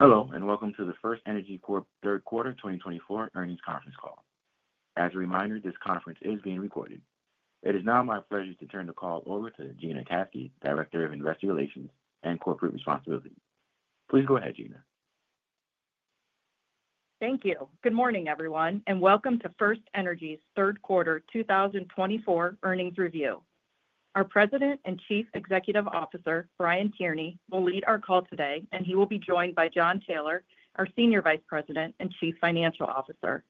Hello, and welcome to the FirstEnergy Corp third quarter 2024 earnings conference call. As a reminder, this conference is being recorded. It is now my pleasure to turn the call over to Gina Caskey, Director of Investor Relations and Corporate Responsibility. Please go ahead, Gina. Thank you. Good morning, everyone, and welcome to FirstEnergy's third quarter 2024 earnings review. Our President and Chief Executive Officer, Brian Tierney, will lead our call today, and he will be joined by Jon Taylor, our Senior Vice President and Chief Financial Officer.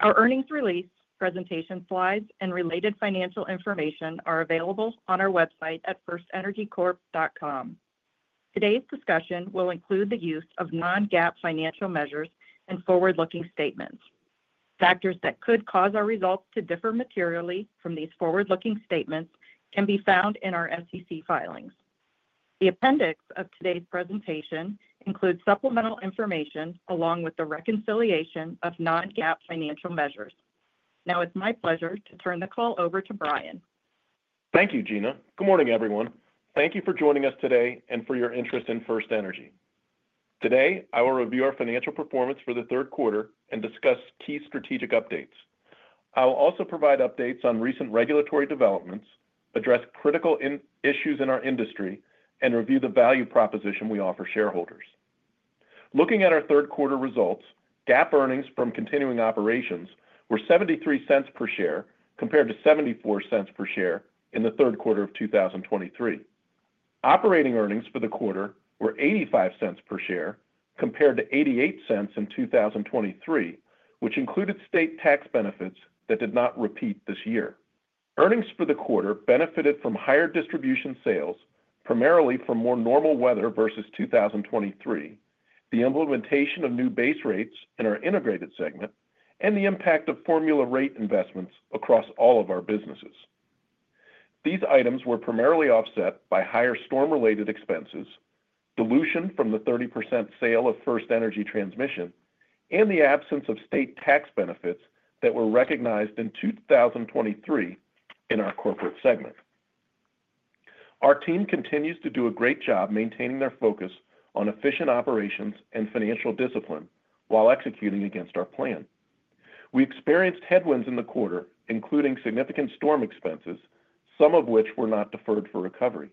Our earnings release, presentation slides, and related financial information are available on our website at firstenergycorp.com. Today's discussion will include the use of non-GAAP financial measures and forward-looking statements. Factors that could cause our results to differ materially from these forward-looking statements can be found in our SEC filings. The appendix of today's presentation includes supplemental information along with the reconciliation of non-GAAP financial measures. Now, it's my pleasure to turn the call over to Brian. Thank you, Gina. Good morning, everyone. Thank you for joining us today and for your interest in FirstEnergy. Today, I will review our financial performance for the third quarter and discuss key strategic updates. I will also provide updates on recent regulatory developments, address critical issues in our industry, and review the value proposition we offer shareholders. Looking at our third quarter results, GAAP earnings from continuing operations were $0.73 per share compared to $0.74 per share in the third quarter of 2023. Operating earnings for the quarter were $0.85 per share compared to $0.88 in 2023, which included state tax benefits that did not repeat this year. Earnings for the quarter benefited from higher distribution sales, primarily from more normal weather versus 2023, the implementation of new base rates in our integrated segment, and the impact of formula rate investments across all of our businesses. These items were primarily offset by higher storm-related expenses, dilution from the 30% sale of FirstEnergy transmission, and the absence of state tax benefits that were recognized in 2023 in our corporate segment. Our team continues to do a great job maintaining their focus on efficient operations and financial discipline while executing against our plan. We experienced headwinds in the quarter, including significant storm expenses, some of which were not deferred for recovery.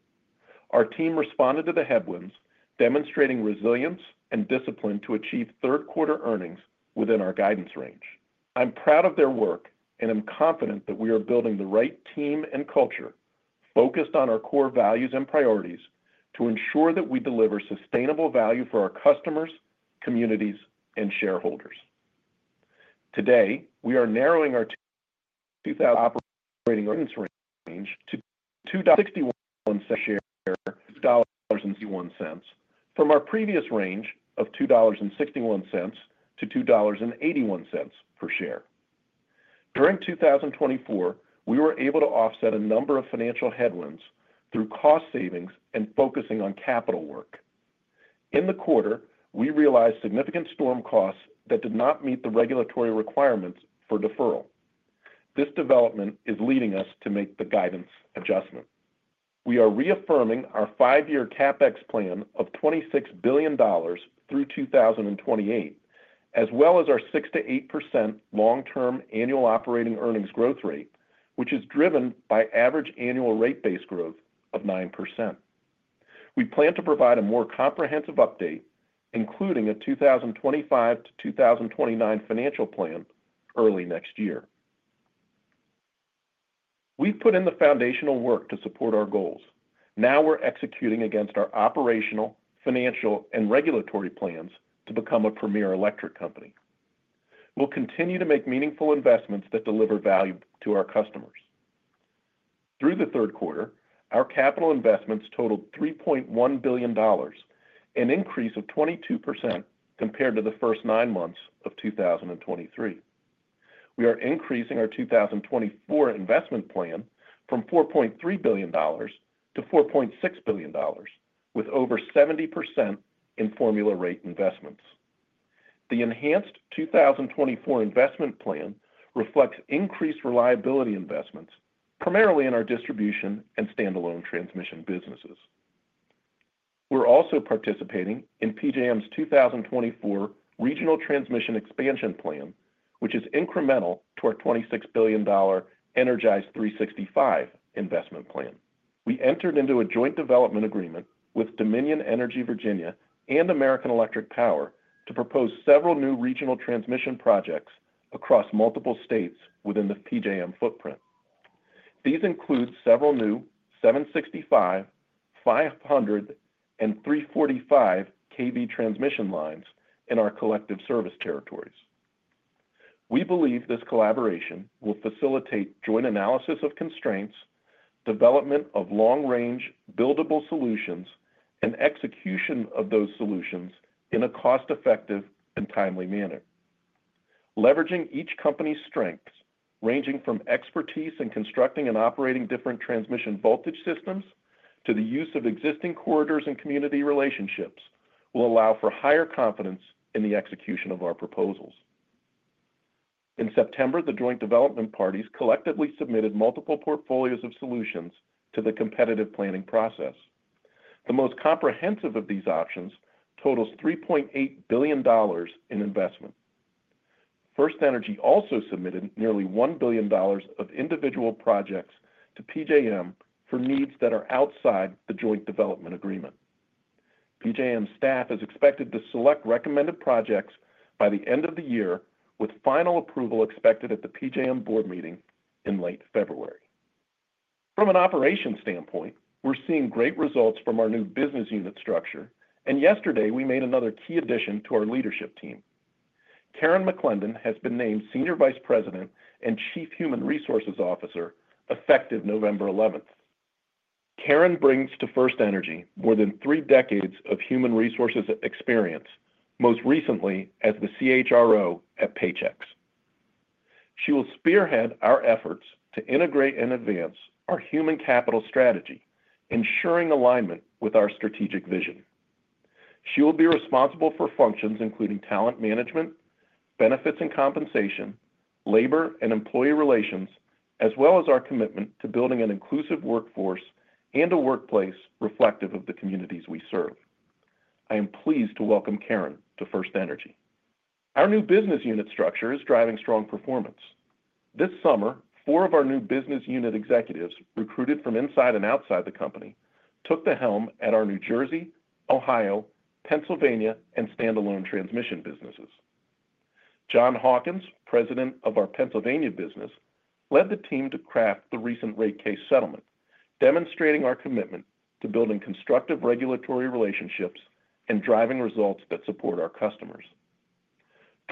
Our team responded to the headwinds, demonstrating resilience and discipline to achieve third-quarter earnings within our guidance range. I'm proud of their work, and I'm confident that we are building the right team and culture focused on our core values and priorities to ensure that we deliver sustainable value for our customers, communities, and shareholders. Today, we are narrowing our operating earnings range to $2.61 per share, from our previous range of $2.61-$2.81 per share. During 2024, we were able to offset a number of financial headwinds through cost savings and focusing on capital work. In the quarter, we realized significant storm costs that did not meet the regulatory requirements for deferral. This development is leading us to make the guidance adjustment. We are reaffirming our five-year CapEx plan of $26 billion through 2028, as well as our 6%-8% long-term annual operating earnings growth rate, which is driven by average annual rate-based growth of 9%. We plan to provide a more comprehensive update, including a 2025-2029 financial plan early next year. We've put in the foundational work to support our goals. Now we're executing against our operational, financial, and regulatory plans to become a premier electric company. We'll continue to make meaningful investments that deliver value to our customers. Through the third quarter, our capital investments totaled $3.1 billion, an increase of 22% compared to the first nine months of 2023. We are increasing our 2024 investment plan from $4.3 billion-$4.6 billion, with over 70% in formula rate investments. The enhanced 2024 investment plan reflects increased reliability investments, primarily in our distribution and standalone transmission businesses. We're also participating in PJM's 2024 Regional Transmission Expansion Plan, which is incremental to our $26 billion Energize365 investment plan. We entered into a joint development agreement with Dominion Energy Virginia and American Electric Power to propose several new regional transmission projects across multiple states within the PJM footprint. These include several new 765, 500, and 345 kV transmission lines in our collective service territories. We believe this collaboration will facilitate joint analysis of constraints, development of long-range buildable solutions, and execution of those solutions in a cost-effective and timely manner. Leveraging each company's strengths, ranging from expertise in constructing and operating different transmission voltage systems to the use of existing corridors and community relationships, will allow for higher confidence in the execution of our proposals. In September, the joint development parties collectively submitted multiple portfolios of solutions to the competitive planning process. The most comprehensive of these options totals $3.8 billion in investment. FirstEnergy also submitted nearly $1 billion of individual projects to PJM for needs that are outside the joint development agreement. PJM staff is expected to select recommended projects by the end of the year, with final approval expected at the PJM board meeting in late February. From an operations standpoint, we're seeing great results from our new business unit structure, and yesterday we made another key addition to our leadership team. Karen McClendon has been named Senior Vice President and Chief Human Resources Officer effective November 11th. Karen brings to FirstEnergy more than three decades of human resources experience, most recently as the CHRO at Paychex. She will spearhead our efforts to integrate and advance our human capital strategy, ensuring alignment with our strategic vision. She will be responsible for functions including talent management, benefits and compensation, labor and employee relations, as well as our commitment to building an inclusive workforce and a workplace reflective of the communities we serve. I am pleased to welcome Karen to FirstEnergy. Our new business unit structure is driving strong performance. This summer, four of our new business unit executives, recruited from inside and outside the company, took the helm at our New Jersey, Ohio, Pennsylvania, and standalone transmission businesses. John Hawkins, President of our Pennsylvania business, led the team to craft the recent rate case settlement, demonstrating our commitment to building constructive regulatory relationships and driving results that support our customers.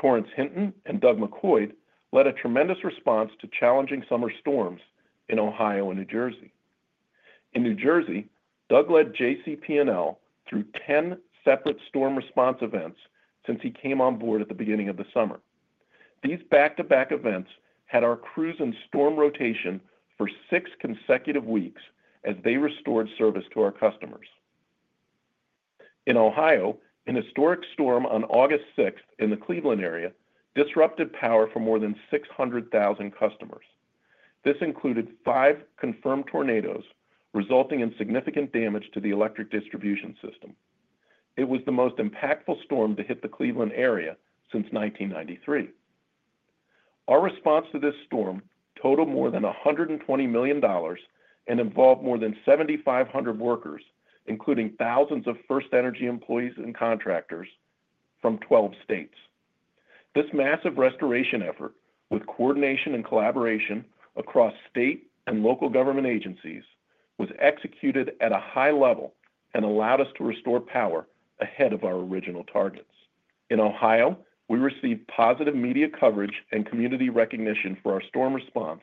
Torrence Hinton and Doug Mokoid led a tremendous response to challenging summer storms in Ohio and New Jersey. In New Jersey, Doug led JCP&L through 10 separate storm response events since he came on board at the beginning of the summer. These back-to-back events had our crews in storm rotation for six consecutive weeks as they restored service to our customers. In Ohio, a historic storm on August 6th in the Cleveland area disrupted power for more than 600,000 customers. This included five confirmed tornadoes, resulting in significant damage to the electric distribution system. It was the most impactful storm to hit the Cleveland area since 1993. Our response to this storm totaled more than $120 million and involved more than 7,500 workers, including thousands of FirstEnergy employees and contractors from 12 states. This massive restoration effort, with coordination and collaboration across state and local government agencies, was executed at a high level and allowed us to restore power ahead of our original targets. In Ohio, we received positive media coverage and community recognition for our storm response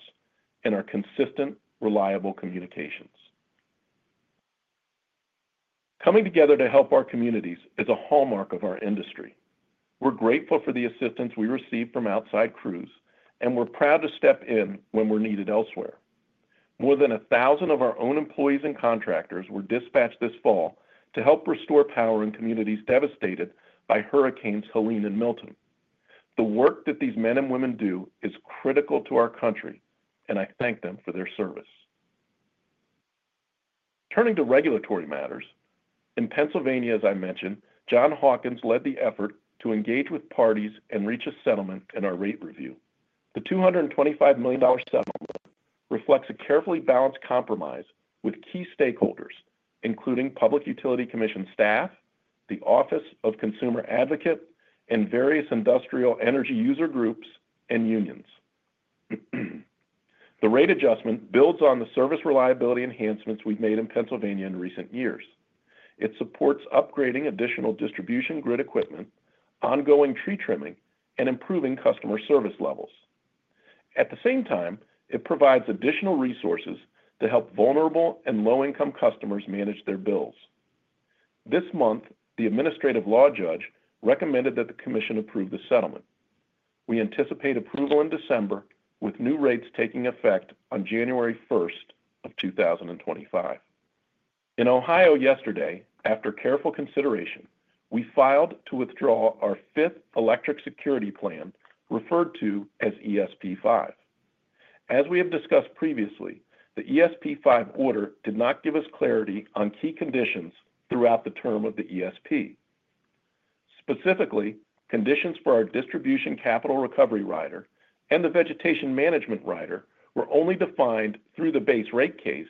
and our consistent, reliable communications. Coming together to help our communities is a hallmark of our industry. We're grateful for the assistance we receive from outside crews, and we're proud to step in when we're needed elsewhere. More than 1,000 of our own employees and contractors were dispatched this fall to help restore power in communities devastated by Hurricanes Helene and Milton. The work that these men and women do is critical to our country, and I thank them for their service. Turning to regulatory matters, in Pennsylvania, as I mentioned, Jon Hawkins led the effort to engage with parties and reach a settlement in our rate review. The $225 million settlement reflects a carefully balanced compromise with key stakeholders, including Public Utility Commission staff, the Office of Consumer Advocate, and various industrial energy user groups and unions. The rate adjustment builds on the service reliability enhancements we've made in Pennsylvania in recent years. It supports upgrading additional distribution grid equipment, ongoing tree trimming, and improving customer service levels. At the same time, it provides additional resources to help vulnerable and low-income customers manage their bills. This month, the Administrative Law Judge recommended that the commission approve the settlement. We anticipate approval in December, with new rates taking effect on January 1st of 2025. In Ohio yesterday, after careful consideration, we filed to withdraw our fifth Electric Security Plan, referred to as ESP 5. As we have discussed previously, the ESP 5 order did not give us clarity on key conditions throughout the term of the ESP. Specifically, conditions for our Distribution Capital Recovery Rider and the Vegetation Management Rider were only defined through the Base Rate Case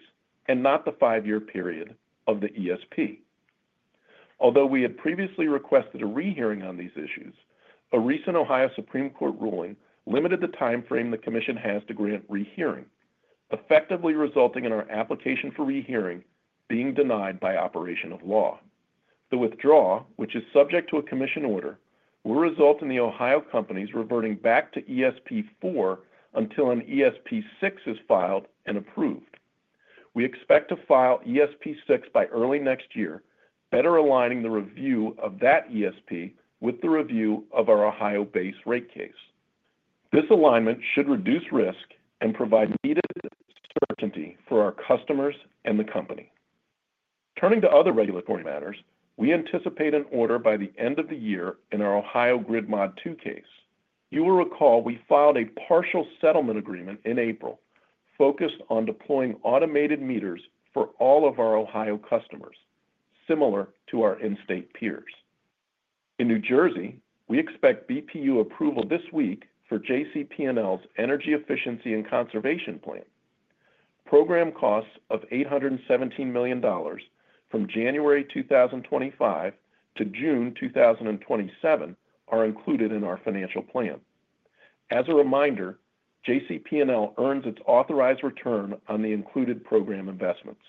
and not the five-year period of the ESP. Although we had previously requested a rehearing on these issues, a recent Ohio Supreme Court ruling limited the timeframe the commission has to grant rehearing, effectively resulting in our application for rehearing being denied by operation of law. The withdrawal, which is subject to a commission order, will result in the Ohio companies reverting back to ESP 4 until an ESP 6 is filed and approved. We expect to file ESP 6 by early next year, better aligning the review of that ESP with the review of our Ohio Base Rate Case. This alignment should reduce risk and provide needed certainty for our customers and the company. Turning to other regulatory matters, we anticipate an order by the end of the year in our Ohio Grid Mod 2 case. You will recall we filed a partial settlement agreement in April focused on deploying automated meters for all of our Ohio customers, similar to our in-state peers. In New Jersey, we expect BPU approval this week for JCP&L's Energy Efficiency and Conservation Plan. Program costs of $817 million from January 2025 to June 2027 are included in our financial plan. As a reminder, JCP&L earns its authorized return on the included program investments.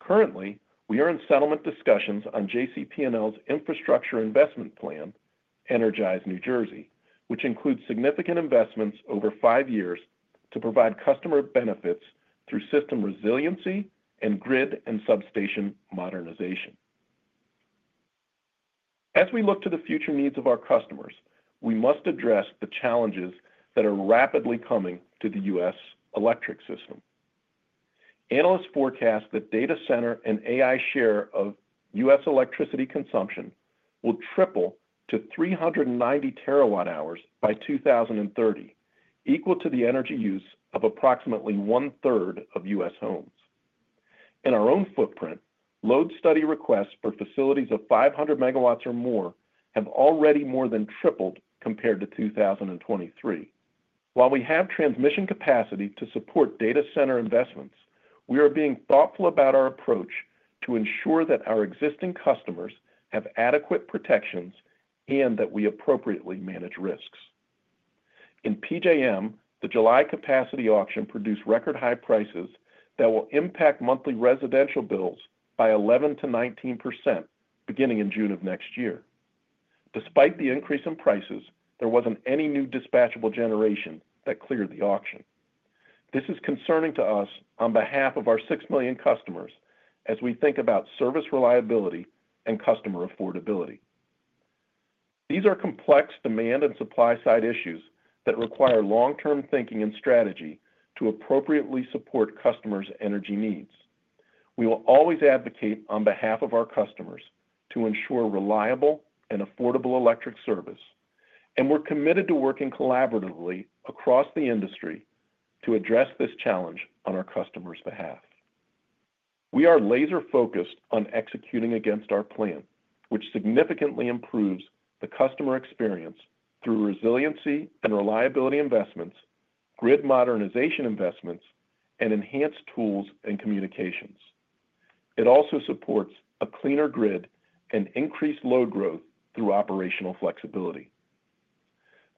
Currently, we are in settlement discussions on JCP&L's infrastructure investment plan, Energize New Jersey, which includes significant investments over five years to provide customer benefits through system resiliency and grid and substation modernization. As we look to the future needs of our customers, we must address the challenges that are rapidly coming to the U.S. electric system. Analysts forecast that data center and AI share of U.S. electricity consumption will triple to 390 terawatt hours by 2030, equal to the energy use of approximately one-third of U.S. homes. In our own footprint, load study requests for facilities of 500 MW or more have already more than tripled compared to 2023. While we have transmission capacity to support data center investments, we are being thoughtful about our approach to ensure that our existing customers have adequate protections and that we appropriately manage risks. In PJM, the July capacity auction produced record-high prices that will impact monthly residential bills by 11%-19% beginning in June of next year. Despite the increase in prices, there wasn't any new dispatchable generation that cleared the auction. This is concerning to us on behalf of our six million customers as we think about service reliability and customer affordability. These are complex demand and supply-side issues that require long-term thinking and strategy to appropriately support customers' energy needs. We will always advocate on behalf of our customers to ensure reliable and affordable electric service, and we're committed to working collaboratively across the industry to address this challenge on our customers' behalf. We are laser-focused on executing against our plan, which significantly improves the customer experience through resiliency and reliability investments, grid modernization investments, and enhanced tools and communications. It also supports a cleaner grid and increased load growth through operational flexibility.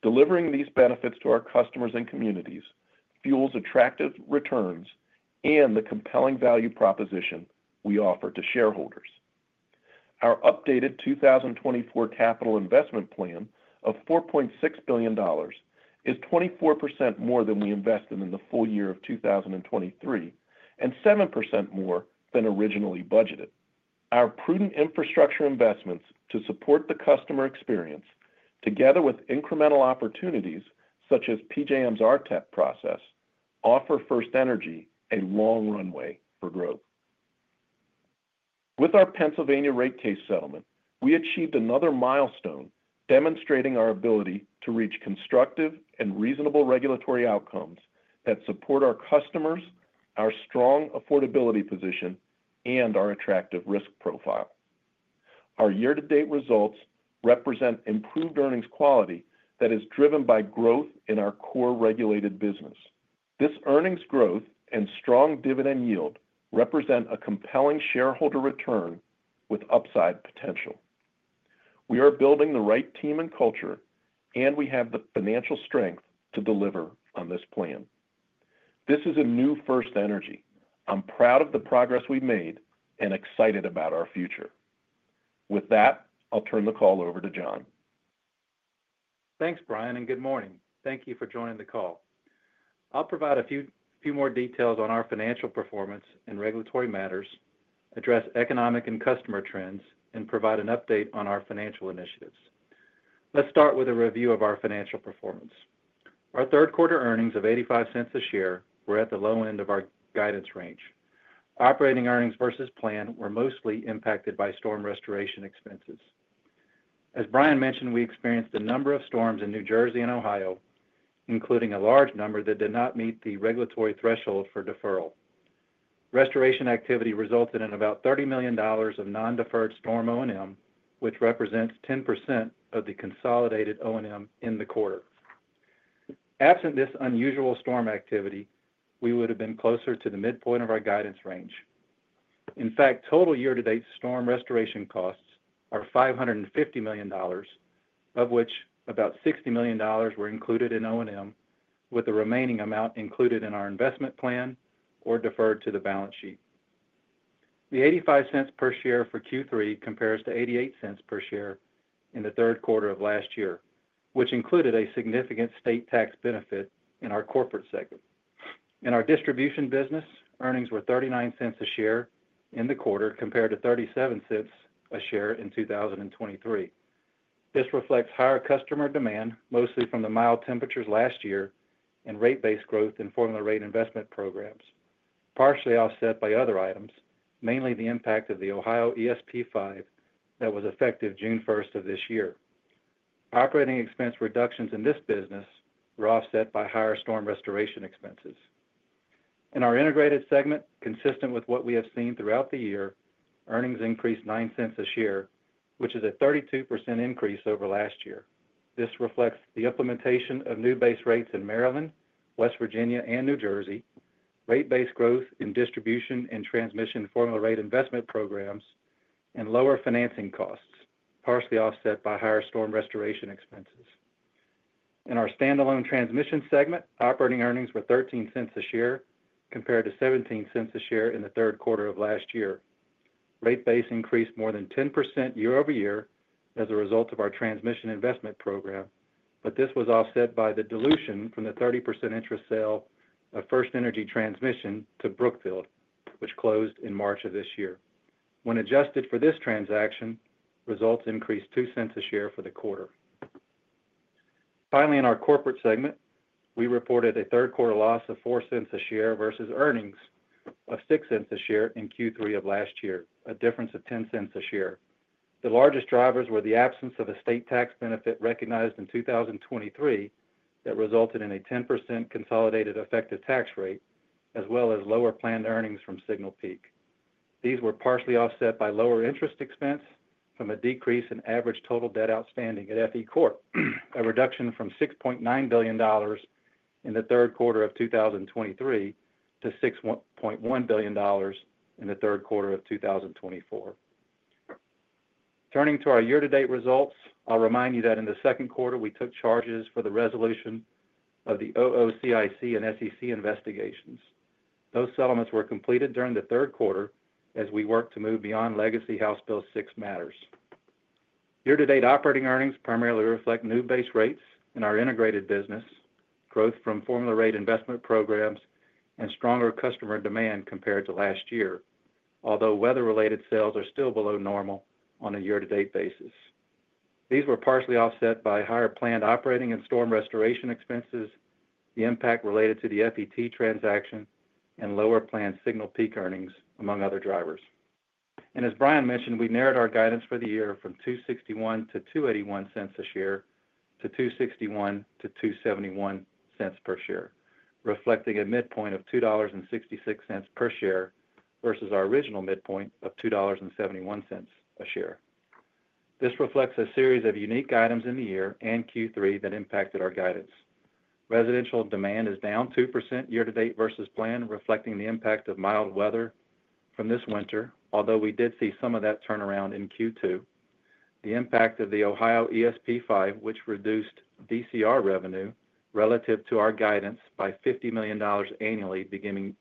Delivering these benefits to our customers and communities fuels attractive returns and the compelling value proposition we offer to shareholders. Our updated 2024 capital investment plan of $4.6 billion is 24% more than we invested in the full year of 2023 and 7% more than originally budgeted. Our prudent infrastructure investments to support the customer experience, together with incremental opportunities such as PJM's RTEP process, offer FirstEnergy a long runway for growth. With our Pennsylvania rate case settlement, we achieved another milestone demonstrating our ability to reach constructive and reasonable regulatory outcomes that support our customers, our strong affordability position, and our attractive risk profile. Our year-to-date results represent improved earnings quality that is driven by growth in our core regulated business. This earnings growth and strong dividend yield represent a compelling shareholder return with upside potential. We are building the right team and culture, and we have the financial strength to deliver on this plan. This is a new FirstEnergy. I'm proud of the progress we've made and excited about our future. With that, I'll turn the call over to Jon. Thanks, Brian, and good morning. Thank you for joining the call. I'll provide a few more details on our financial performance and regulatory matters, address economic and customer trends, and provide an update on our financial initiatives. Let's start with a review of our financial performance. Our third-quarter earnings of $0.85 a share were at the low end of our guidance range. Operating earnings versus plan were mostly impacted by storm restoration expenses. As Brian mentioned, we experienced a number of storms in New Jersey and Ohio, including a large number that did not meet the regulatory threshold for deferral. Restoration activity resulted in about $30 million of non-deferred storm O&M, which represents 10% of the consolidated O&M in the quarter. Absent this unusual storm activity, we would have been closer to the midpoint of our guidance range. In fact, total year-to-date storm restoration costs are $550 million, of which about $60 million were included in O&M, with the remaining amount included in our investment plan or deferred to the balance sheet. The $0.85 per share for Q3 compares to $0.88 per share in the third quarter of last year, which included a significant state tax benefit in our corporate segment. In our distribution business, earnings were $0.39 a share in the quarter compared to $0.37 a share in 2023. This reflects higher customer demand, mostly from the mild temperatures last year and rate-based growth in formula rate investment programs, partially offset by other items, mainly the impact of the Ohio ESP 5 that was effective June 1st of this year. Operating expense reductions in this business were offset by higher storm restoration expenses. In our integrated segment, consistent with what we have seen throughout the year, earnings increased $0.09 a share, which is a 32% increase over last year. This reflects the implementation of new base rates in Maryland, West Virginia, and New Jersey, rate-based growth in distribution and transmission formula rate investment programs, and lower financing costs, partially offset by higher storm restoration expenses. In our standalone transmission segment, operating earnings were $0.13 a share compared to $0.17 a share in the third quarter of last year. Rate base increased more than 10% year over year as a result of our transmission investment program, but this was offset by the dilution from the 30% interest sale of FirstEnergy Transmission to Brookfield, which closed in March of this year. When adjusted for this transaction, results increased $0.02 a share for the quarter. Finally, in our corporate segment, we reported a third-quarter loss of $0.04 a share versus earnings of $0.06 a share in Q3 of last year, a difference of $0.10 a share. The largest drivers were the absence of a state tax benefit recognized in 2023 that resulted in a 10% consolidated effective tax rate, as well as lower planned earnings from Signal Peak Energy. These were partially offset by lower interest expense from a decrease in average total debt outstanding at FE Corp, a reduction from $6.9 billion in the third quarter of 2023 to $6.1 billion in the third quarter of 2024. Turning to our year-to-date results, I'll remind you that in the second quarter, we took charges for the resolution of the OOCIC and SEC investigations. Those settlements were completed during the third quarter as we worked to move beyond legacy House Bill 6 matters. Year-to-date operating earnings primarily reflect new base rates in our integrated business, growth from formula rate investment programs, and stronger customer demand compared to last year, although weather-related sales are still below normal on a year-to-date basis. These were partially offset by higher planned operating and storm restoration expenses, the impact related to the FET transaction, and lower planned Signal Peak earnings, among other drivers. As Brian mentioned, we narrowed our guidance for the year from 261-281 cents a share to 261-271 cents per share, reflecting a midpoint of $2.66 per share versus our original midpoint of $2.71 a share. This reflects a series of unique items in the year and Q3 that impacted our guidance. Residential demand is down 2% year-to-date versus plan, reflecting the impact of mild weather from this winter, although we did see some of that turnaround in Q2. The impact of the Ohio ESP 5, which reduced DCR revenue relative to our guidance by $50 million annually beginning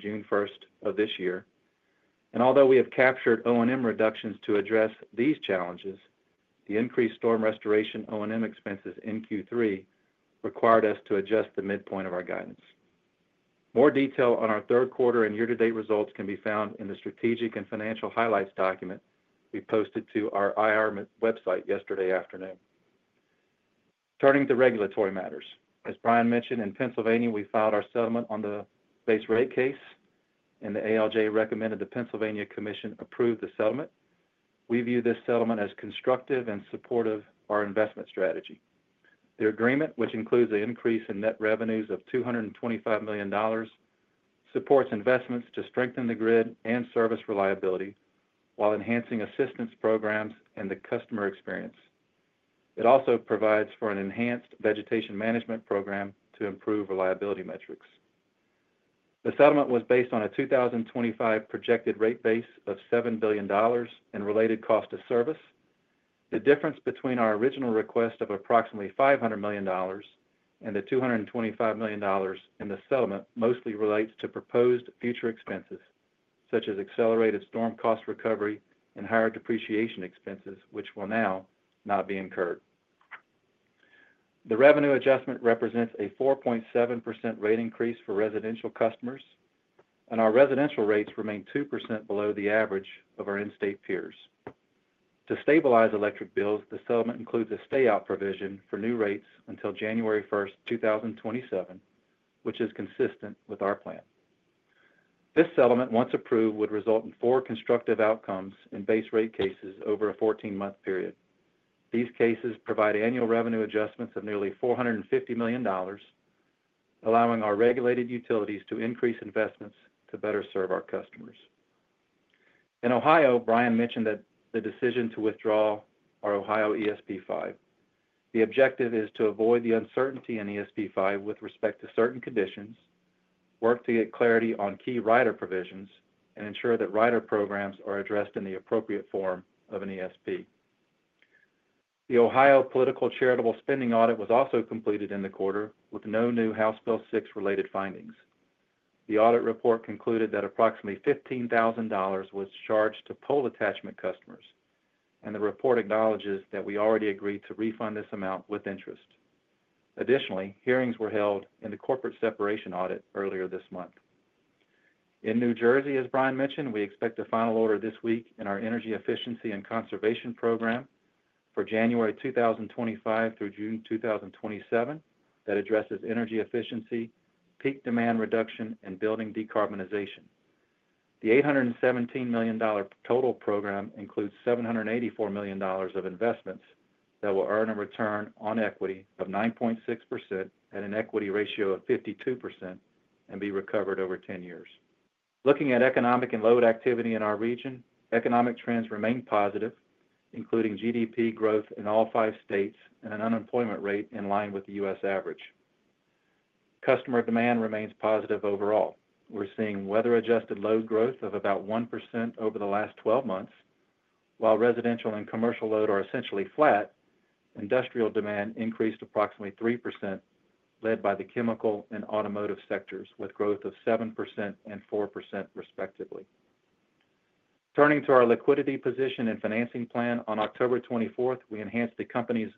June 1st of this year. Although we have captured O&M reductions to address these challenges, the increased storm restoration O&M expenses in Q3 required us to adjust the midpoint of our guidance. More detail on our third quarter and year-to-date results can be found in the strategic and financial highlights document we posted to our IR website yesterday afternoon. Turning to regulatory matters, as Brian mentioned, in Pennsylvania, we filed our settlement on the base rate case, and the ALJ recommended the Pennsylvania Commission approve the settlement. We view this settlement as constructive and supportive of our investment strategy. The agreement, which includes an increase in net revenues of $225 million, supports investments to strengthen the grid and service reliability while enhancing assistance programs and the customer experience. It also provides for an enhanced vegetation management program to improve reliability metrics. The settlement was based on a 2025 projected rate base of $7 billion and related cost of service. The difference between our original request of approximately $500 million and the $225 million in the settlement mostly relates to proposed future expenses, such as accelerated storm cost recovery and higher depreciation expenses, which will now not be incurred. The revenue adjustment represents a 4.7% rate increase for residential customers, and our residential rates remain 2% below the average of our in-state peers. To stabilize electric bills, the settlement includes a stay-out provision for new rates until January 1st, 2027, which is consistent with our plan. This settlement, once approved, would result in four constructive outcomes in base rate cases over a 14-month period. These cases provide annual revenue adjustments of nearly $450 million, allowing our regulated utilities to increase investments to better serve our customers. In Ohio, Brian mentioned that the decision to withdraw our Ohio ESP 5. The objective is to avoid the uncertainty in ESP 5 with respect to certain conditions, work to get clarity on key rider provisions, and ensure that rider programs are addressed in the appropriate form of an ESP. The Ohio Political Charitable Spending Audit was also completed in the quarter with no new House Bill 6-related findings. The audit report concluded that approximately $15,000 was charged to pole attachment customers, and the report acknowledges that we already agreed to refund this amount with interest. Additionally, hearings were held in the corporate separation audit earlier this month. In New Jersey, as Brian mentioned, we expect a final order this week in our energy efficiency and conservation program for January 2025 through June 2027 that addresses energy efficiency, peak demand reduction, and building decarbonization. The $817 million total program includes $784 million of investments that will earn a return on equity of 9.6% at an equity ratio of 52% and be recovered over 10 years. Looking at economic and load activity in our region, economic trends remain positive, including GDP growth in all five states and an unemployment rate in line with the U.S. average. Customer demand remains positive overall. We're seeing weather-adjusted load growth of about 1% over the last 12 months. While residential and commercial load are essentially flat, industrial demand increased approximately 3%, led by the chemical and automotive sectors, with growth of 7% and 4%, respectively. Turning to our liquidity position and financing plan, on October 24th, we enhanced the company's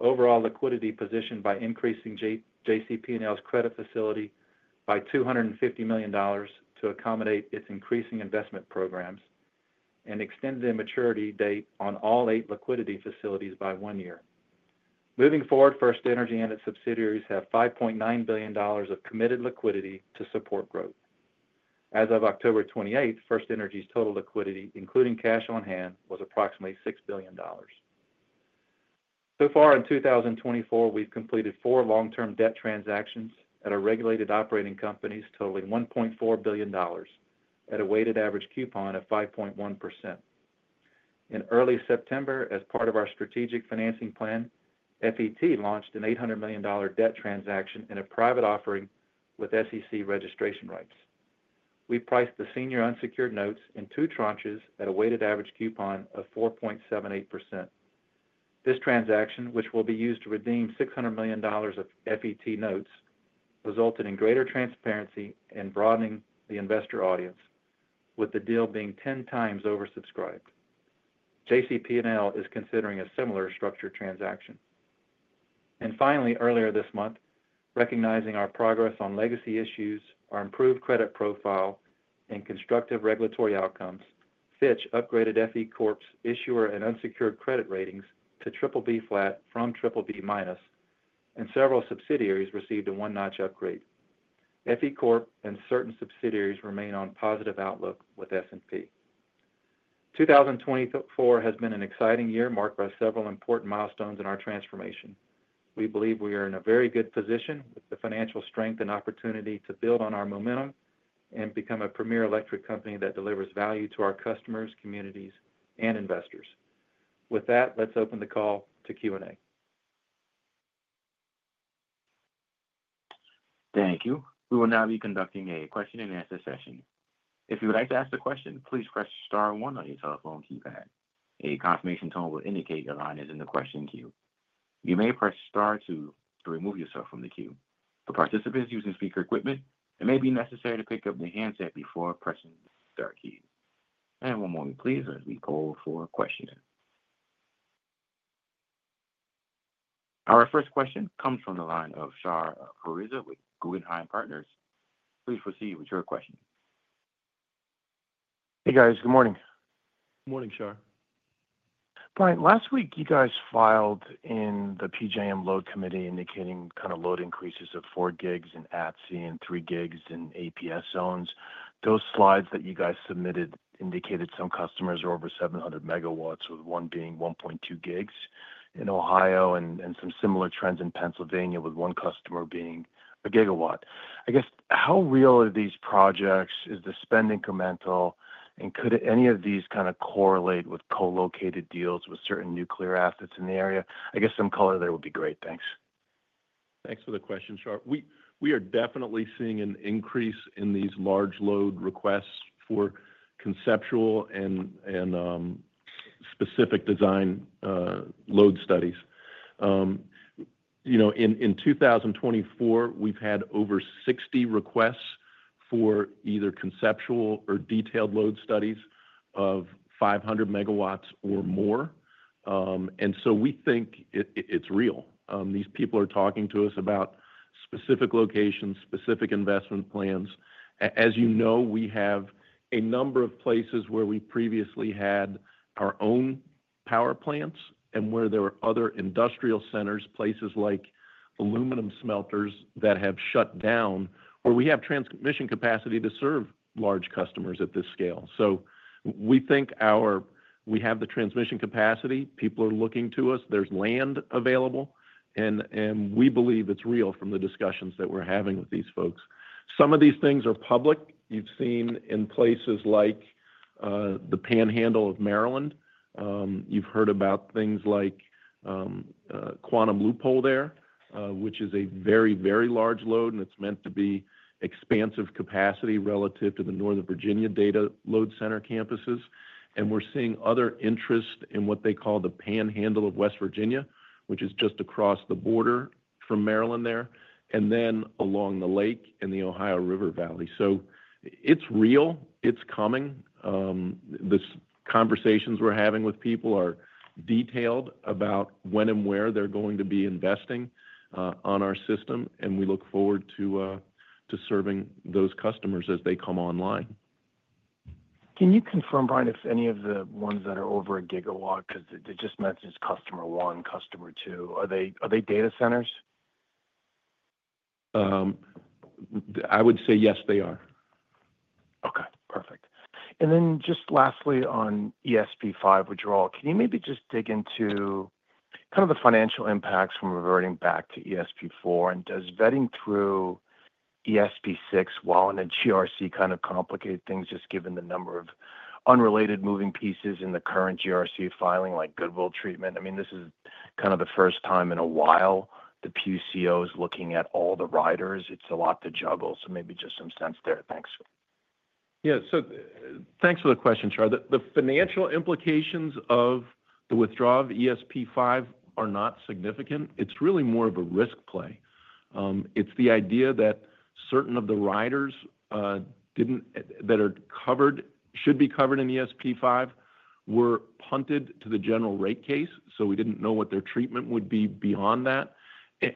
overall liquidity position by increasing JCP&L's Credit Facility by $250 million to accommodate its increasing investment programs and extended the maturity date on all eight liquidity facilities by one year. Moving forward, FirstEnergy and its subsidiaries have $5.9 billion of committed liquidity to support growth. As of October 28th, FirstEnergy's total liquidity, including cash on hand, was approximately $6 billion. So far in 2024, we've completed four long-term debt transactions at our regulated operating companies, totaling $1.4 billion at a weighted average coupon of 5.1%. In early September, as part of our strategic financing plan, FET launched an $800 million debt transaction in a private offering with SEC registration rights. We priced the senior unsecured notes in two tranches at a weighted average coupon of 4.78%. This transaction, which will be used to redeem $600 million of FET notes, resulted in greater transparency and broadening the investor audience, with the deal being 10 times oversubscribed. JCP&L is considering a similar structured transaction. And finally, earlier this month, recognizing our progress on legacy issues, our improved credit profile, and constructive regulatory outcomes, Fitch upgraded FE Corp's issuer and unsecured credit ratings to BBB flat from BBB minus, and several subsidiaries received a one-notch upgrade. FE Corp and certain subsidiaries remain on positive outlook with S&P. 2024 has been an exciting year marked by several important milestones in our transformation. We believe we are in a very good position with the financial strength and opportunity to build on our momentum and become a premier electric company that delivers value to our customers, communities, and investors. With that, let's open the call to Q&A. Thank you. We will now be conducting a question-and-answer session. If you would like to ask a question, please press Star one on your telephone keypad. A confirmation tone will indicate your line is in the question queue. You may press Star two to remove yourself from the queue. For participants using speaker equipment, it may be necessary to pick up the handset before pressing the Star key. One moment, please, as we poll for questions. Our first question comes from the line of Shahriar Pourreza with Guggenheim Partners. Please proceed with your question. Hey, guys. Good morning. Good morning, Shahriar. Brian, last week, you guys filed in the PJM Load Committee indicating kind of load increases of four gigs in ATS and three gigs in APS zones. Those slides that you guys submitted indicated some customers are over 700 megawatts, with one being 1.2 gigs in Ohio and some similar trends in Pennsylvania, with one customer being a gigawatt. I guess, how real are these projects? Is the spend incremental? And could any of these kind of correlate with co-located deals with certain nuclear assets in the area? I guess some color there would be great. Thanks. Thanks for the question, Shahriar. We are definitely seeing an increase in these large load requests for conceptual and specific design load studies. In 2024, we've had over 60 requests for either conceptual or detailed load studies of 500 MW or more. And so we think it's real. These people are talking to us about specific locations, specific investment plans. As you know, we have a number of places where we previously had our own power plants and where there were other industrial centers, places like aluminum smelters that have shut down, where we have transmission capacity to serve large customers at this scale. So we think we have the transmission capacity. People are looking to us. There's land available. And we believe it's real from the discussions that we're having with these folks. Some of these things are public. You've seen in places like the Panhandle of Maryland. You've heard about things like Quantum Loophole there, which is a very, very large load, and it's meant to be expansive capacity relative to the Northern Virginia data load center campuses. We're seeing other interest in what they call the Panhandle of West Virginia, which is just across the border from Maryland there, and then along the lake in the Ohio River Valley. So it's real. It's coming. The conversations we're having with people are detailed about when and where they're going to be investing on our system. And we look forward to serving those customers as they come online. Can you confirm, Brian, if any of the ones that are over a gigawatt, because it just mentions customer one, customer two, are they data centers? I would say yes, they are. Okay. Perfect. And then just lastly, on ESP 5 withdrawal, can you maybe just dig into kind of the financial impacts from reverting back to ESP 4? Does vetting through ESP 6 while in a GRC kind of complicate things, just given the number of unrelated moving pieces in the current GRC filing, like goodwill treatment? I mean, this is kind of the first time in a while the PUCO is looking at all the riders. It's a lot to juggle. So maybe just some sense there. Thanks. Yeah. So thanks for the question, Shahriar. The financial implications of the withdrawal of ESP 5 are not significant. It's really more of a risk play. It's the idea that certain of the riders that are covered, should be covered in ESP 5, were punted to the general rate case, so we didn't know what their treatment would be beyond that.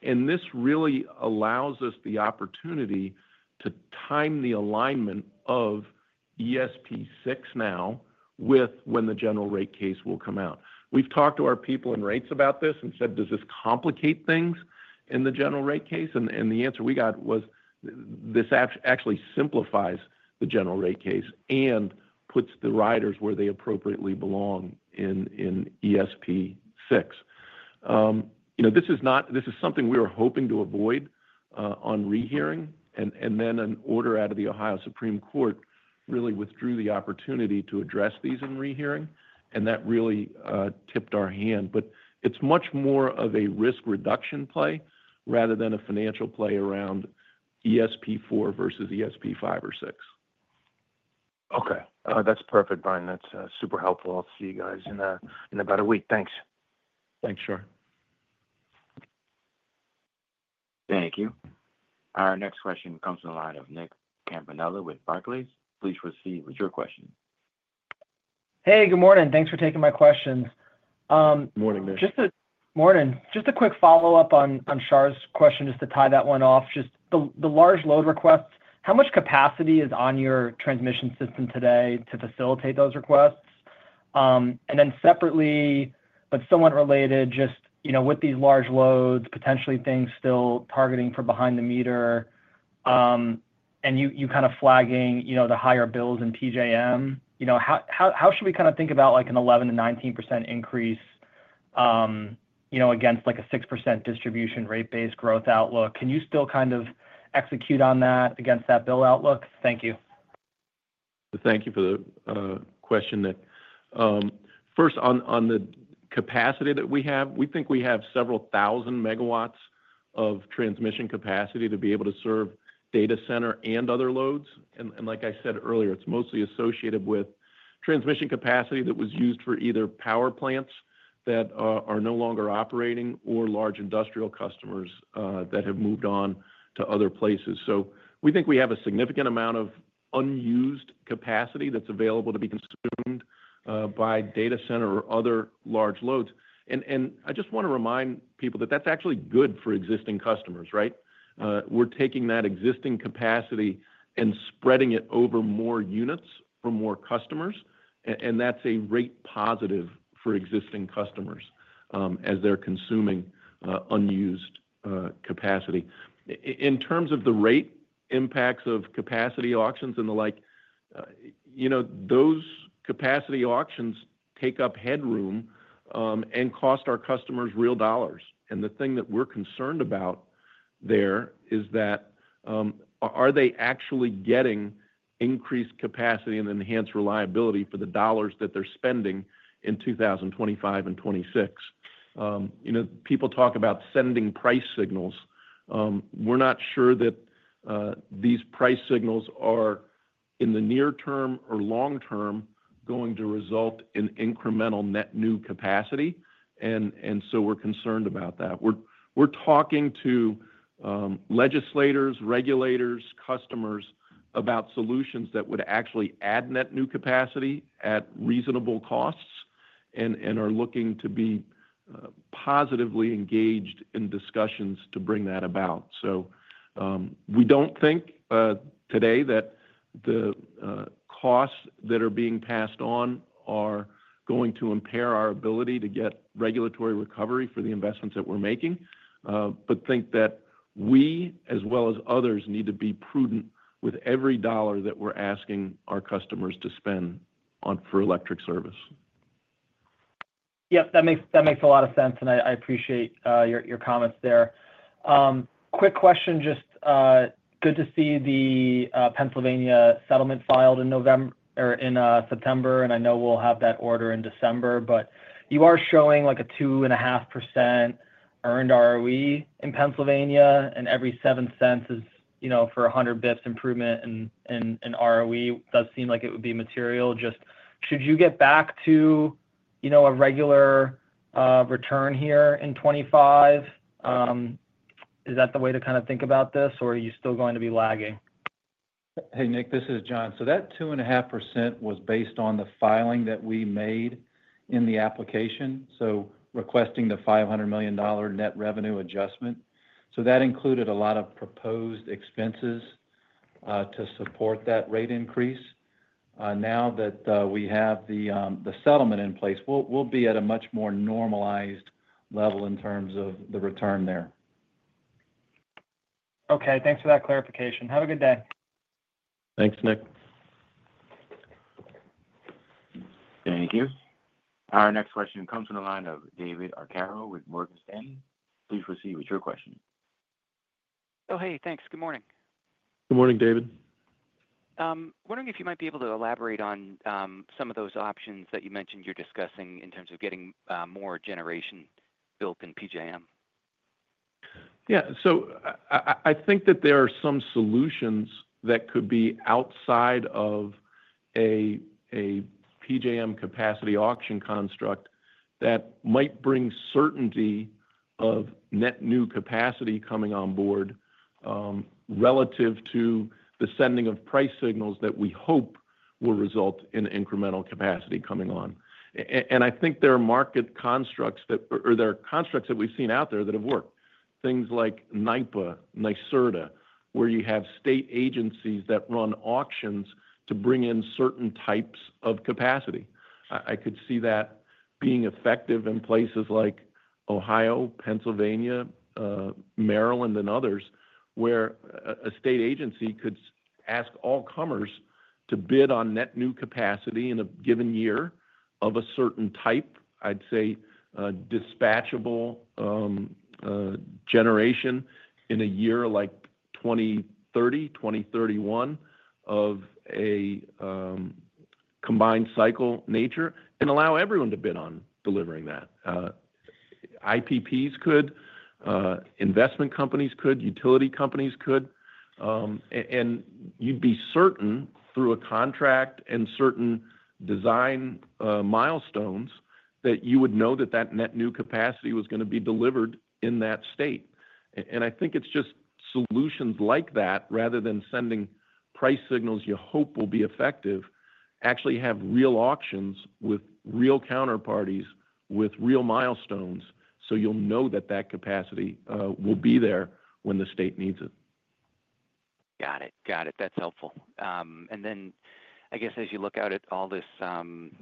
And this really allows us the opportunity to time the alignment of ESP 6 now with when the general rate case will come out. We've talked to our people in rates about this and said, "Does this complicate things in the general rate case?" And the answer we got was, "This actually simplifies the general rate case and puts the riders where they appropriately belong in ESP 6." This is something we were hoping to avoid on rehearing. And then an order out of the Ohio Supreme Court really withdrew the opportunity to address these in rehearing. And that really tipped our hand. But it's much more of a risk reduction play rather than a financial play around ESP 4 versus ESP 5 or 6. Okay. That's perfect, Brian. That's super helpful. I'll see you guys in about a week. Thanks. Thanks, Shah. Thank you. Our next question comes from the line of Nick Campanella with Barclays. Please proceed with your question. Hey, good morning. Thanks for taking my questions. Morning, man. Morning. Just a quick follow-up on Shahriar's question, just to tie that one off. Just the large load requests, how much capacity is on your transmission system today to facilitate those requests? And then separately, but somewhat related, just with these large loads, potentially things still targeting for behind the meter, and you kind of flagging the higher bills in PJM, how should we kind of think about an 11%-19% increase against a 6% distribution rate-based growth outlook? Can you still kind of execute on that against that bill outlook? Thank you. Thank you for the question, Nick. First, on the capacity that we have, we think we have several thousand megawatts of transmission capacity to be able to serve data center and other loads. And like I said earlier, it's mostly associated with transmission capacity that was used for either power plants that are no longer operating or large industrial customers that have moved on to other places. So we think we have a significant amount of unused capacity that's available to be consumed by data center or other large loads. And I just want to remind people that that's actually good for existing customers, right? We're taking that existing capacity and spreading it over more units for more customers. And that's a rate positive for existing customers as they're consuming unused capacity. In terms of the rate impacts of capacity auctions and the like, those capacity auctions take up headroom and cost our customers real dollars. And the thing that we're concerned about there is that, are they actually getting increased capacity and enhanced reliability for the dollars that they're spending in 2025 and 2026? People talk about sending price signals. We're not sure that these price signals are, in the near term or long term, going to result in incremental net new capacity. And so we're concerned about that. We're talking to legislators, regulators, customers about solutions that would actually add net new capacity at reasonable costs and are looking to be positively engaged in discussions to bring that about. So we don't think today that the costs that are being passed on are going to impair our ability to get regulatory recovery for the investments that we're making, but think that we, as well as others, need to be prudent with every dollar that we're asking our customers to spend for electric service. Yep. That makes a lot of sense, and I appreciate your comments there. Quick question, just good to see the Pennsylvania settlement filed in September. And I know we'll have that order in December. But you are showing a 2.5% earned ROE in Pennsylvania. And every seven cents is for 100 basis points improvement in ROE. Does seem like it would be material. Just should you get back to a regular return here in 2025? Is that the way to kind of think about this? Or are you still going to be lagging? Hey, Nick, this is Jon. So that 2.5% was based on the filing that we made in the application, so requesting the $500 million net revenue adjustment. So that included a lot of proposed expenses to support that rate increase. Now that we have the settlement in place, we'll be at a much more normalized level in terms of the return there. Okay. Thanks for that clarification. Have a good day. Thanks, Nick. Thank you. Our next question comes from the line of David Arcaro with Morgan Stanley. Please proceed with your question. Oh, hey. Thanks. Good morning. Good morning, David. Wondering if you might be able to elaborate on some of those options that you mentioned you're discussing in terms of getting more generation built in PJM. Yeah. So I think that there are some solutions that could be outside of a PJM capacity auction construct that might bring certainty of net new capacity coming on board relative to the sending of price signals that we hope will result in incremental capacity coming on. I think there are market constructs that we've seen out there that have worked. Things like NYPA, NYSERDA, where you have state agencies that run auctions to bring in certain types of capacity. I could see that being effective in places like Ohio, Pennsylvania, Maryland, and others, where a state agency could ask all comers to bid on net new capacity in a given year of a certain type. I'd say dispatchable generation in a year like 2030, 2031, of a combined cycle nature, and allow everyone to bid on delivering that. IPPs could, investment companies could, utility companies could. You'd be certain through a contract and certain design milestones that you would know that that net new capacity was going to be delivered in that state. And I think it's just solutions like that, rather than sending price signals you hope will be effective. Actually have real auctions with real counterparties with real milestones, so you'll know that that capacity will be there when the state needs it. Got it. Got it. That's helpful. And then, I guess, as you look out at all these load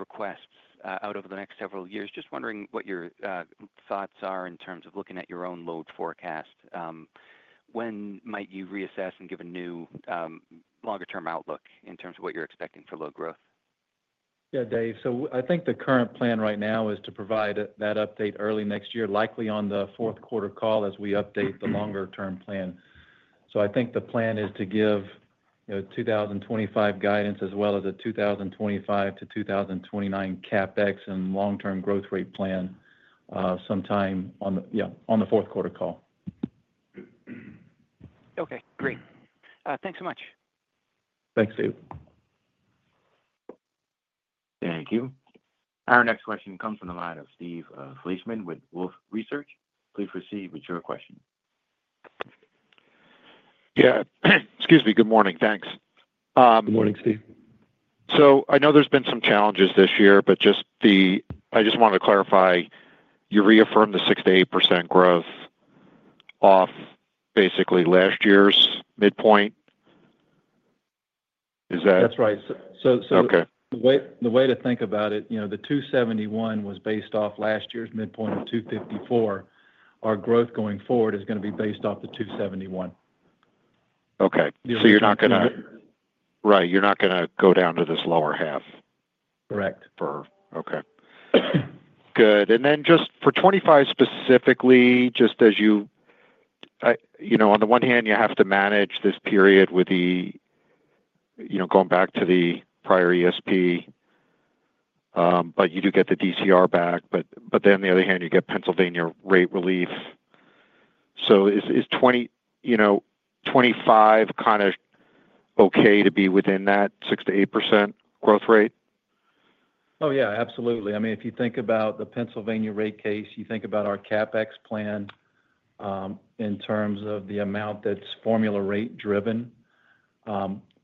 requests out over the next several years, just wondering what your thoughts are in terms of looking at your own load forecast. When might you reassess and give a new longer-term outlook in terms of what you're expecting for load growth? Yeah, Dave. So I think the current plan right now is to provide that update early next year, likely on the fourth quarter call as we update the longer-term plan. So I think the plan is to give 2025 guidance as well as a 2025 to 2029 CapEx and long-term growth rate plan sometime on the fourth quarter call. Okay. Great. Thanks so much. Thanks, Steve. Thank you. Our next question comes from the line of Steve Fleischman with Wolfe Research. Please proceed with your question. Yeah. Excuse me. Good morning. Thanks. Good morning, Steve. So I know there's been some challenges this year, but I just wanted to clarify. You reaffirmed the 6%-8% growth off basically last year's midpoint. Is that? That's right. So the way to think about it, the 271 was based off last year's midpoint of 254. Our growth going forward is going to be based off the 271. Okay. So you're not going to, right. You're not going to go down to this lower half. Correct. Okay. Good. Then just for 2025 specifically, just as you on the one hand, you have to manage this period with the going back to the prior ESP, but you do get the DCR back. But then on the other hand, you get Pennsylvania rate relief. So is 2025 kind of okay to be within that 6%-8% growth rate? Oh, yeah. Absolutely. I mean, if you think about the Pennsylvania rate case, you think about our CapEx plan in terms of the amount that's formula rate-driven,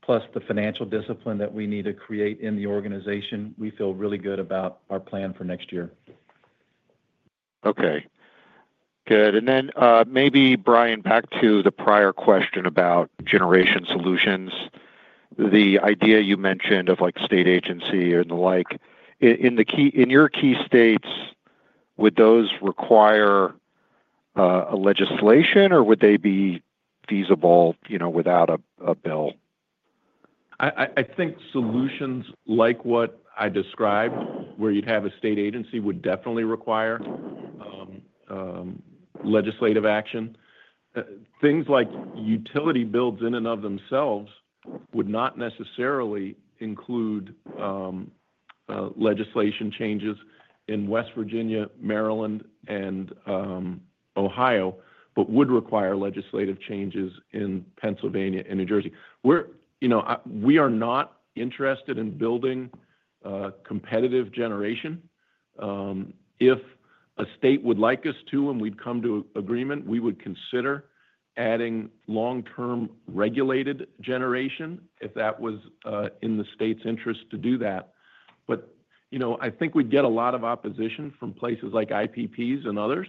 plus the financial discipline that we need to create in the organization, we feel really good about our plan for next year. Okay. Good. Then maybe, Brian, back to the prior question about generation solutions, the idea you mentioned of state agency and the like. In your key states, would those require legislation, or would they be feasible without a bill? I think solutions like what I described, where you'd have a state agency, would definitely require legislative action. Things like utility builds in and of themselves would not necessarily include legislative changes in West Virginia, Maryland, and Ohio, but would require legislative changes in Pennsylvania and New Jersey. We are not interested in building competitive generation. If a state would like us to and we'd come to agreement, we would consider adding long-term regulated generation if that was in the state's interest to do that. But I think we'd get a lot of opposition from places like IPPs and others.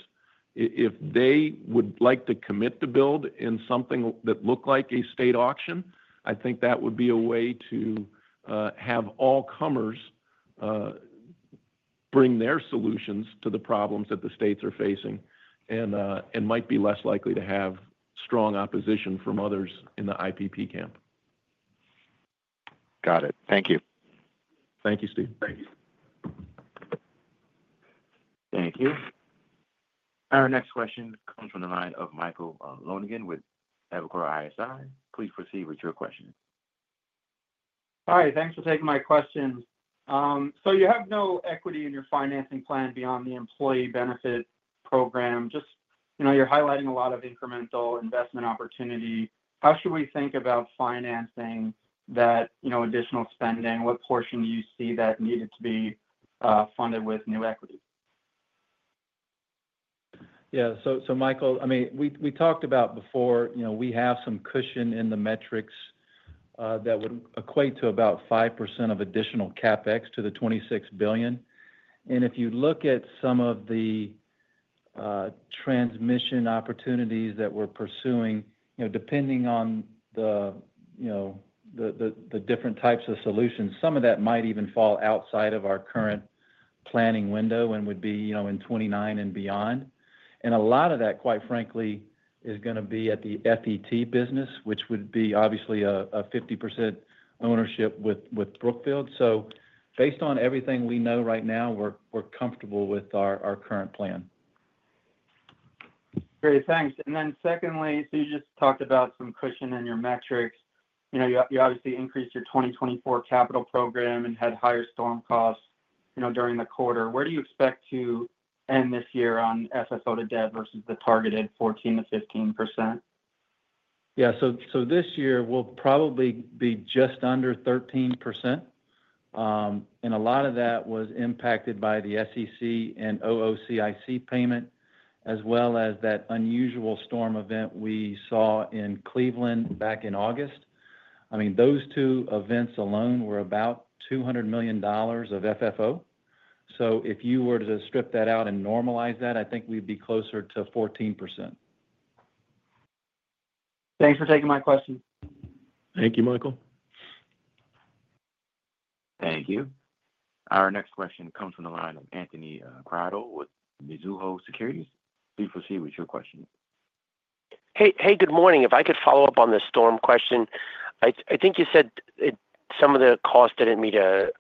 If they would like to commit to build in something that looked like a state auction, I think that would be a way to have all comers bring their solutions to the problems that the states are facing and might be less likely to have strong opposition from others in the IPP camp. Got it. Thank you. Thank you. Thank you. Our next question comes from the line of Michael Lonegan with Evercore ISI. Please proceed with your question. Hi. Thanks for taking my question. So you have no equity in your financing plan beyond the employee benefit program. Just you're highlighting a lot of incremental investment opportunity. How should we think about financing that additional spending? What portion do you see that needed to be funded with new equity? Yeah. So Michael, I mean, we talked about before. We have some cushion in the metrics that would equate to about 5% of additional CapEx to the $26 billion. And if you look at some of the transmission opportunities that we're pursuing, depending on the different types of solutions, some of that might even fall outside of our current planning window and would be in 2029 and beyond. And a lot of that, quite frankly, is going to be at the FET business, which would be obviously a 50% ownership with Brookfield. So based on everything we know right now, we're comfortable with our current plan. Great. Thanks. And then secondly, so you just talked about some cushion in your metrics. You obviously increased your 2024 capital program and had higher storm costs during the quarter. Where do you expect to end this year on FFO to debt versus the targeted 14%-15%? Yeah. So this year, we'll probably be just under 13%. And a lot of that was impacted by the SEC and OOCIC payment, as well as that unusual storm event we saw in Cleveland back in August. I mean, those two events alone were about $200 million of FFO. So if you were to strip that out and normalize that, I think we'd be closer to 14%. Thanks for taking my question. Thank you, Michael. Thank you. Our next question comes from the line of Anthony Crowdell with Mizuho Securities. Please proceed with your question. Hey, good morning. If I could follow up on this storm question. I think you said some of the cost didn't meet a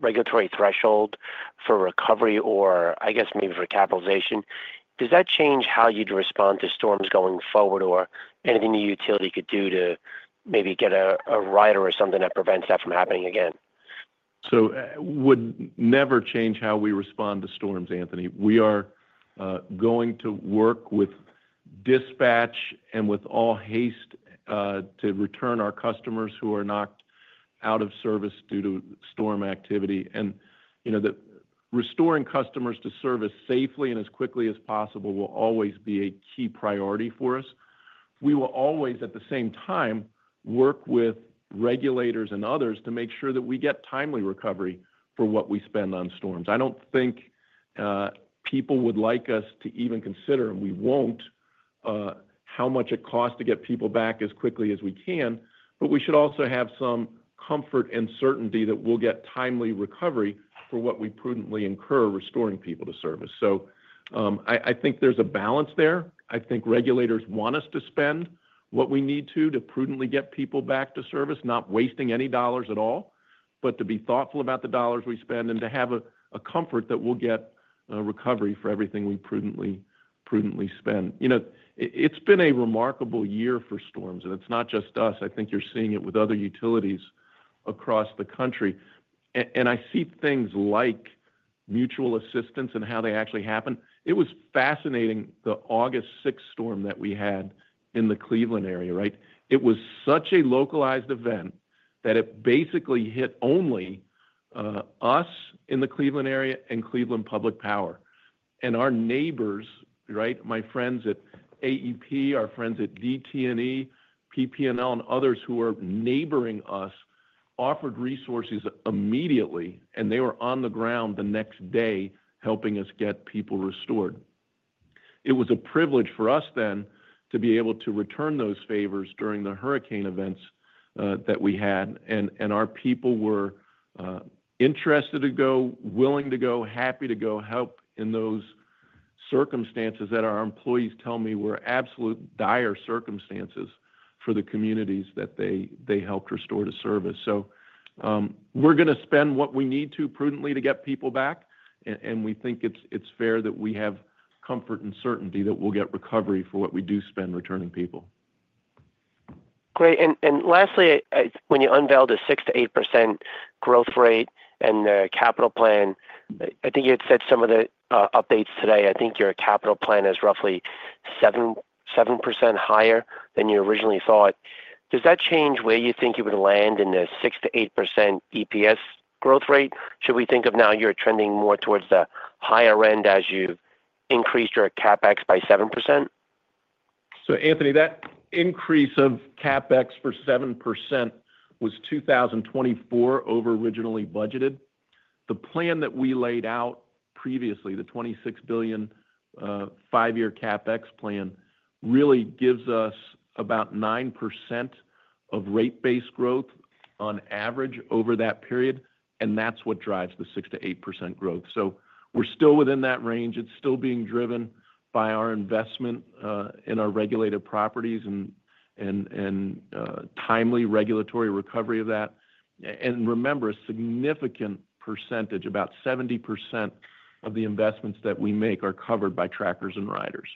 regulatory threshold for recovery or, I guess, maybe for capitalization. Does that change how you'd respond to storms going forward or anything the utility could do to maybe get a rider or something that prevents that from happening again? So it would never change how we respond to storms, Anthony. We are going to work with dispatch and with all haste to return our customers who are knocked out of service due to storm activity. And restoring customers to service safely and as quickly as possible will always be a key priority for us. We will always, at the same time, work with regulators and others to make sure that we get timely recovery for what we spend on storms. I don't think people would like us to even consider, and we won't, how much it costs to get people back as quickly as we can. But we should also have some comfort and certainty that we'll get timely recovery for what we prudently incur restoring people to service. So I think there's a balance there. I think regulators want us to spend what we need to to prudently get people back to service, not wasting any dollars at all, but to be thoughtful about the dollars we spend and to have a comfort that we'll get recovery for everything we prudently spend. It's been a remarkable year for storms, and it's not just us. I think you're seeing it with other utilities across the country. And I see things like mutual assistance and how they actually happen. It was fascinating, the August 6 storm that we had in the Cleveland area, right? It was such a localized event that it basically hit only us in the Cleveland area and Cleveland Public Power. And our neighbors, right, my friends at AEP, our friends at DTE, PPL, and others who were neighboring us offered resources immediately, and they were on the ground the next day helping us get people restored. It was a privilege for us then to be able to return those favors during the hurricane events that we had. And our people were interested to go, willing to go, happy to go help in those circumstances that our employees tell me were absolutely dire circumstances for the communities that they helped restore to service. So we're going to spend what we need to prudently to get people back. And we think it's fair that we have comfort and certainty that we'll get recovery for what we do spend returning people. Great. And lastly, when you unveiled the 6%-8% growth rate and the capital plan, I think you had said some of the updates today. I think your capital plan is roughly 7% higher than you originally thought. Does that change where you think you would land in the 6%-8% EPS growth rate? Should we think of now you're trending more towards the higher end as you've increased your CapEx by 7%? So Anthony, that increase of CapEx for 7% was 2024 over originally budgeted. The plan that we laid out previously, the $26 billion five-year CapEx plan, really gives us about 9% of rate base growth on average over that period. And that's what drives the 6%-8% growth. So we're still within that range. It's still being driven by our investment in our regulated properties and timely regulatory recovery of that. And remember, a significant percentage, about 70% of the investments that we make are covered by trackers and riders.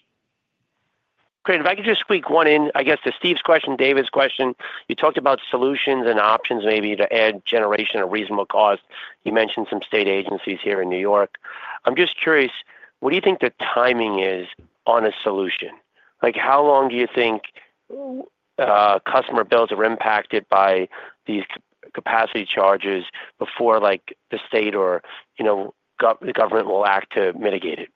Great. If I could just squeak one in, I guess, to Steve's question, David's question. You talked about solutions and options maybe to add generation at reasonable cost. You mentioned some state agencies here in New York. I'm just curious, what do you think the timing is on a solution? How long do you think customer bills are impacted by these capacity charges before the state or the government will act to mitigate it?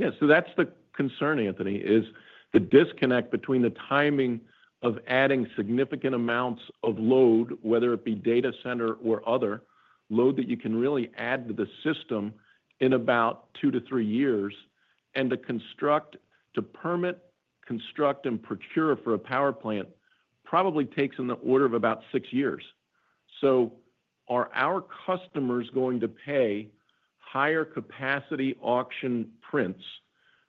Yeah. So that's the concern, Anthony, is the disconnect between the timing of adding significant amounts of load, whether it be data center or other load that you can really add to the system in about two to three years. And to permit, construct, and procure for a power plant probably takes in the order of about six years. So are our customers going to pay higher capacity auction prices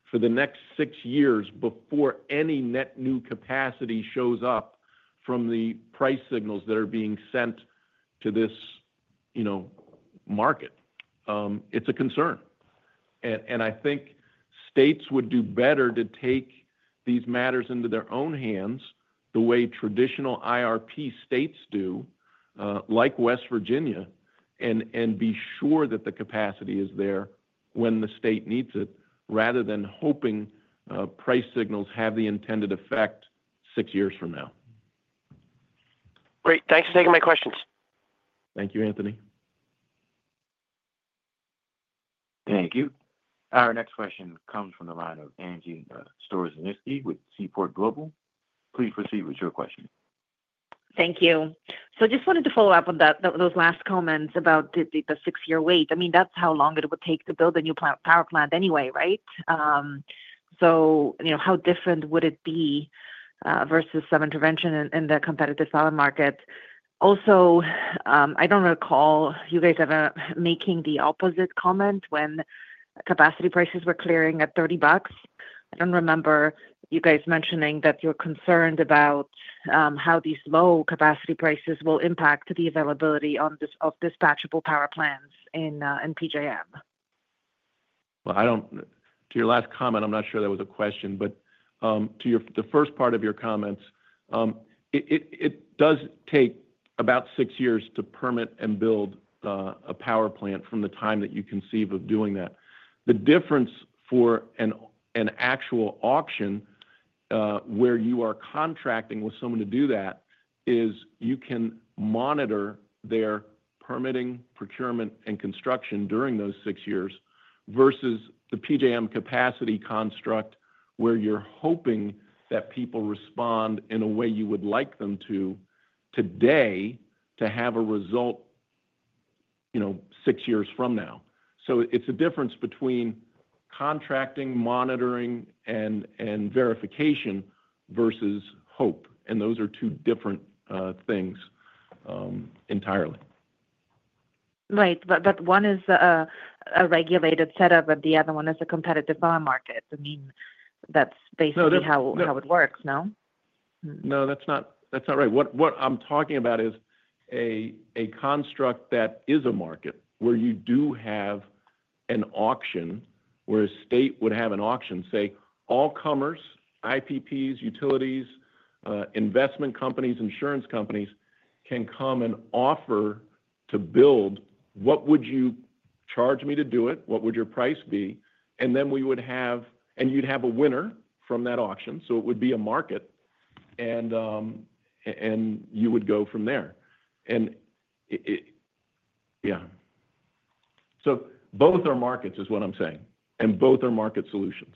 for the next six years before any net new capacity shows up from the price signals that are being sent to this market? It's a concern. And I think states would do better to take these matters into their own hands the way traditional IRP states do, like West Virginia, and be sure that the capacity is there when the state needs it, rather than hoping price signals have the intended effect six years from now. Great. Thanks for taking my questions. Thank you, Anthony. Thank you. Our next question comes from the line of Angie Storozynski with Seaport Global. Please proceed with your question. Thank you. So I just wanted to follow up on those last comments about the six-year wait. I mean, that's how long it would take to build a new power plant anyway, right? So how different would it be versus some intervention in the competitive power market? Also, I don't recall you guys ever making the opposite comment when capacity prices were clearing at $30. I don't remember you guys mentioning that you're concerned about how these low capacity prices will impact the availability of dispatchable power plants in PJM. Well, to your last comment, I'm not sure that was a question. But to the first part of your comments, it does take about six years to permit and build a power plant from the time that you conceive of doing that. The difference for an actual auction where you are contracting with someone to do that is you can monitor their permitting, procurement, and construction during those six years versus the PJM capacity construct where you're hoping that people respond in a way you would like them to today to have a result six years from now. So it's a difference between contracting, monitoring, and verification versus hope. And those are two different things entirely. Right. But one is a regulated setup, but the other one is a competitive power market. I mean, that's basically how it works, no? No, that's not right. What I'm talking about is a construct that is a market where you do have an auction where a state would have an auction, say, all comers, IPPs, utilities, investment companies, insurance companies can come and offer to build. What would you charge me to do it? What would your price be? And then we would have and you'd have a winner from that auction. So it would be a market, and you would go from there. And yeah. So both are markets, is what I'm saying. And both are market solutions.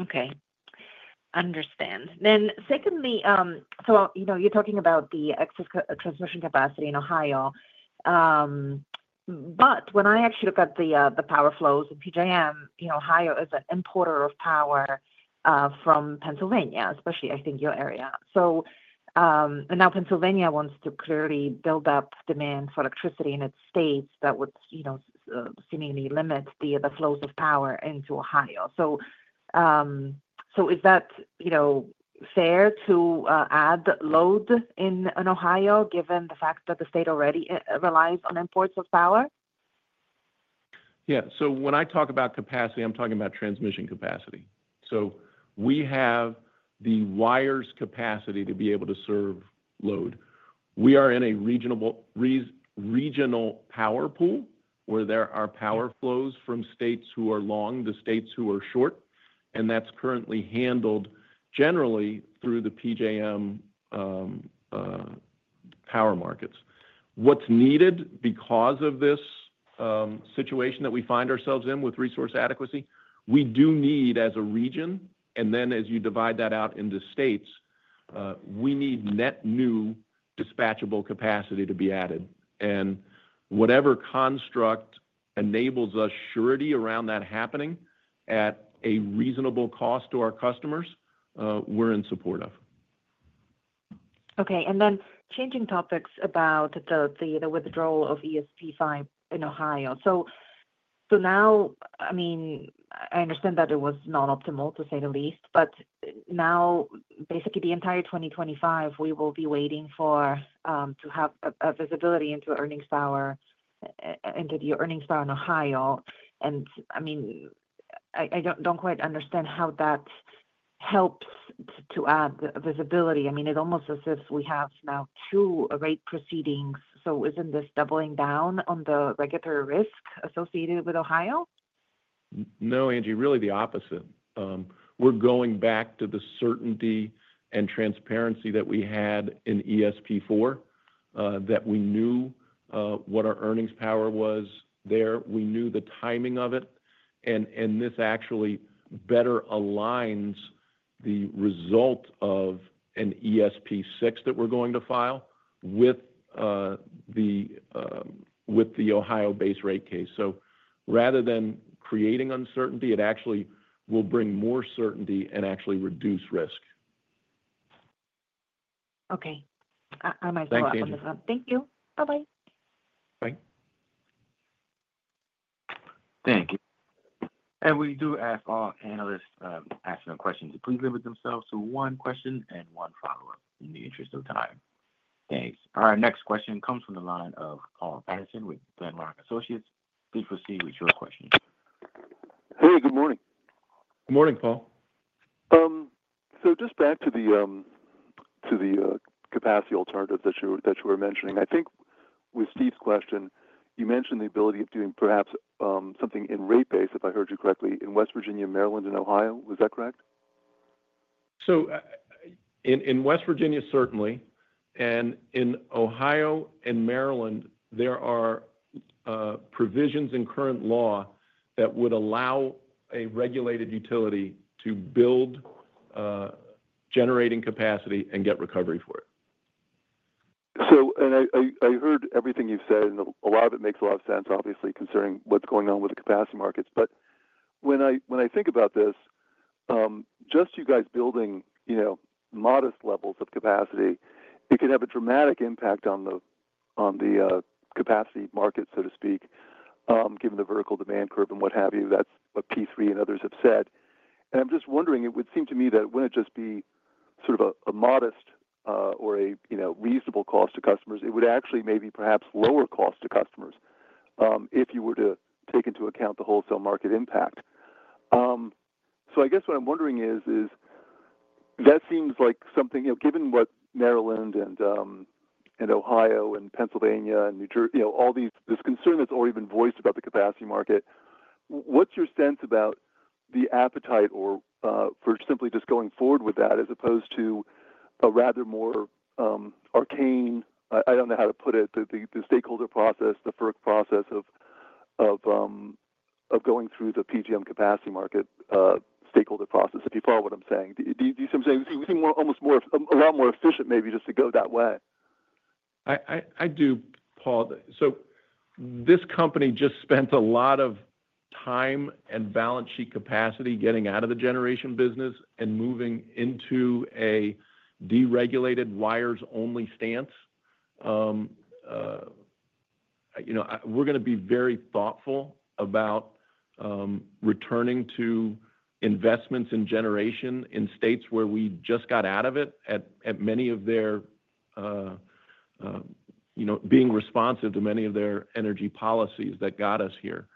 Okay. Understand. Then secondly, so you're talking about the excess transmission capacity in Ohio. But when I actually look at the power flows in PJM, Ohio is an importer of power from Pennsylvania, especially, I think, your area. So now Pennsylvania wants to clearly build up demand for electricity in its states that would seemingly limit the flows of power into Ohio. So is that fair to add load in Ohio given the fact that the state already relies on imports of power? Yeah. So when I talk about capacity, I'm talking about transmission capacity. So we have the wires' capacity to be able to serve load. We are in a regional power pool where there are power flows from states who are long to states who are short. And that's currently handled generally through the PJM power markets. What's needed because of this situation that we find ourselves in with resource adequacy? We do need as a region, and then as you divide that out into states, we need net new dispatchable capacity to be added. And whatever construct enables us surety around that happening at a reasonable cost to our customers, we're in support of. Okay. And then changing topics about the withdrawal of ESP 5 in Ohio. So now, I mean, I understand that it was not optimal, to say the least. But now, basically, the entire 2025, we will be waiting to have visibility into your earnings power in Ohio. And I mean, I don't quite understand how that helps to add visibility. I mean, it's almost as if we have now two rate proceedings. So isn't this doubling down on the regulatory risk associated with Ohio? No, Angie, really the opposite. We're going back to the certainty and transparency that we had in ESP 4, that we knew what our earnings power was there. We knew the timing of it. And this actually better aligns the result of an ESP6 that we're going to file with the Ohio-based rate case. So rather than creating uncertainty, it actually will bring more certainty and actually reduce risk. Okay. I might go off on this one. Thank you. Bye-bye. Bye. Thank you. And we do ask all analysts asking questions to please limit themselves to one question and one follow-up in the interest of time. Thanks. Our next question comes from the line of Paul with Glenrock Associates. Please proceed with your question. Hey, good morning. Good morning, Paul. So just back to the capacity alternatives that you were mentioning. I think with Steve's question, you mentioned the ability of doing perhaps something in rate base, if I heard you correctly, in West Virginia, Maryland, and Ohio. Is that correct? So in West Virginia, certainly. And in Ohio and Maryland, there are provisions in current law that would allow a regulated utility to build generating capacity and get recovery for it. And I heard everything you've said, and a lot of it makes a lot of sense, obviously, concerning what's going on with the capacity markets. But when I think about this, just you guys building modest levels of capacity, it could have a dramatic impact on the capacity market, so to speak, given the vertical demand curve and what have you that P3 and others have said. And I'm just wondering, it would seem to me that it wouldn't just be sort of a modest or a reasonable cost to customers. It would actually maybe perhaps lower cost to customers if you were to take into account the wholesale market impact. So, I guess what I'm wondering is, that seems like something given what Maryland and Ohio and Pennsylvania and New Jersey, all this concern that's already been voiced about the capacity market. What's your sense about the appetite for simply just going forward with that as opposed to a rather more arcane—I don't know how to put it—the stakeholder process, the FERC process of going through the PJM capacity market stakeholder process, if you follow what I'm saying? Do you see what I'm saying? We seem almost a lot more efficient maybe just to go that way. I do, Paul. This company just spent a lot of time and balance sheet capacity getting out of the generation business and moving into a deregulated wires-only stance. We're going to be very thoughtful about returning to investments in generation in states where we just got out of it at many of their being responsive to many of their energy policies that got us here.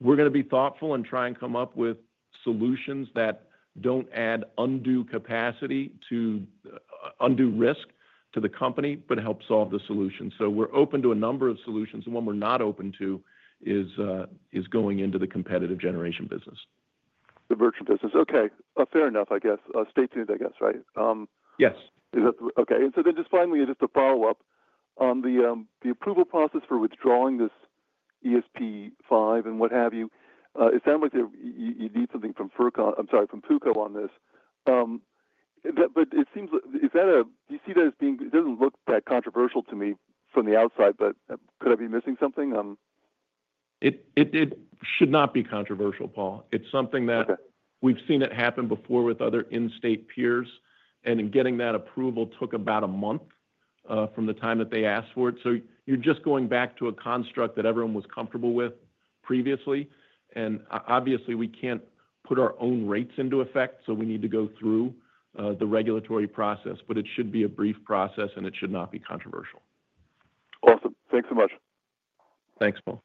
We're going to be thoughtful and try and come up with solutions that don't add undue capacity to undue risk to the company, but help solve the solution. So we're open to a number of solutions. The one we're not open to is going into the competitive generation business. The virtual business. Okay. Fair enough, I guess. Stay tuned, I guess, right? Yes. Okay. And so then just finally, just to follow up on the approval process for withdrawing this ESP5 and what have you, it sounds like you need something from FERC. I'm sorry, from PUCO on this. But it seems like do you see that as being. It doesn't look that controversial to me from the outside, but could I be missing something? It should not be controversial, Paul. It's something that we've seen it happen before with other in-state peers. And in getting that approval, it took about a month from the time that they asked for it. So you're just going back to a construct that everyone was comfortable with previously. And obviously, we can't put our own rates into effect, so we need to go through the regulatory process. But it should be a brief process, and it should not be controversial. Awesome. Thanks so much. Thanks, Paul.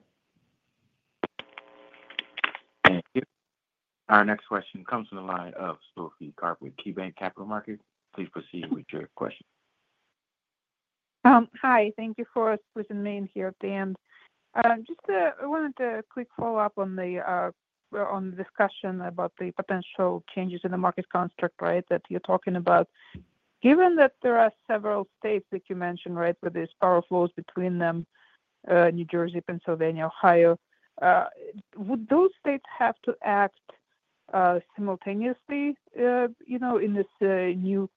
Thank you. Our next question comes from the line of Sophie Karp with KeyBanc Capital Markets. Please proceed with your question. Hi. Thank you for presenting here at the end. Just wanted to quick follow-up on the discussion about the potential changes in the market construct, right, that you're talking about. Given that there are several states that you mentioned, right, with these power flows between them, New Jersey, Pennsylvania, Ohio, would those states have to act simultaneously in this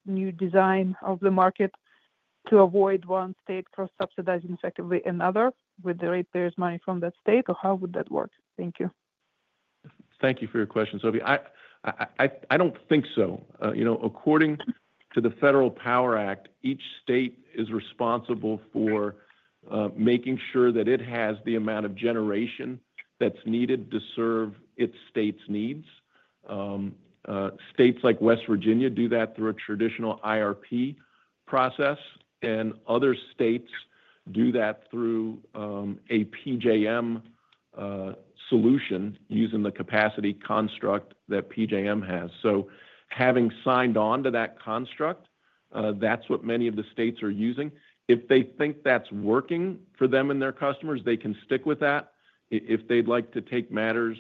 new design of the market to avoid one state subsidizing effectively another with the rate-based money from that state, or how would that work? Thank you. Thank you for your question, Sophie. I don't think so. According to the Federal Power Act, each state is responsible for making sure that it has the amount of generation that's needed to serve its state's needs. States like West Virginia do that through a traditional IRP process, and other states do that through a PJM solution using the capacity construct that PJM has. So having signed on to that construct, that's what many of the states are using. If they think that's working for them and their customers, they can stick with that. If they'd like to take matters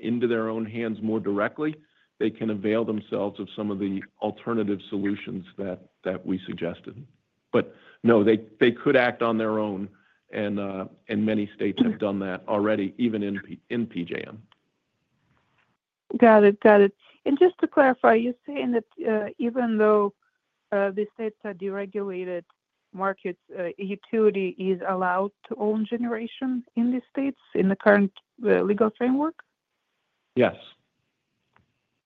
into their own hands more directly, they can avail themselves of some of the alternative solutions that we suggested. But no, they could act on their own. And many states have done that already, even in PJM. Got it. Got it. And just to clarify, you're saying that even though the states are deregulated markets, utility is allowed to own generation in the states in the current legal framework? Yes.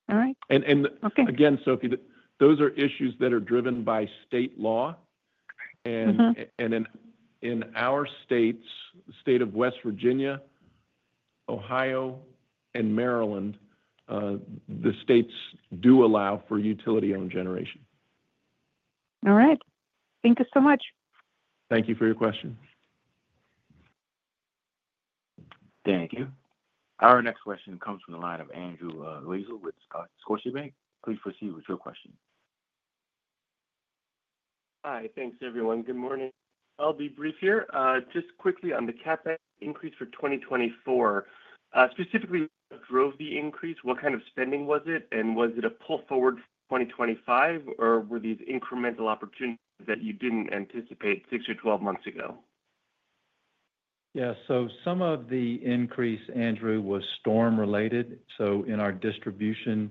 All right. And again, Sophie, those are issues that are driven by state law. And in our states, the state of West Virginia, Ohio, and Maryland, the states do allow for utility-owned generation. All right. Thank you so much. Thank you for your question. Thank you. Our next question comes from the line of Andrew Weisel with Scotiabank. Please proceed with your question. Hi. Thanks, everyone. Good morning. I'll be brief here. Just quickly on the CapEx increase for 2024, specifically what drove the increase? What kind of spending was it? And was it a pull forward for 2025, or were these incremental opportunities that you didn't anticipate six or 12 months ago? Yeah. So some of the increase, Andrew, was storm-related. So in our distribution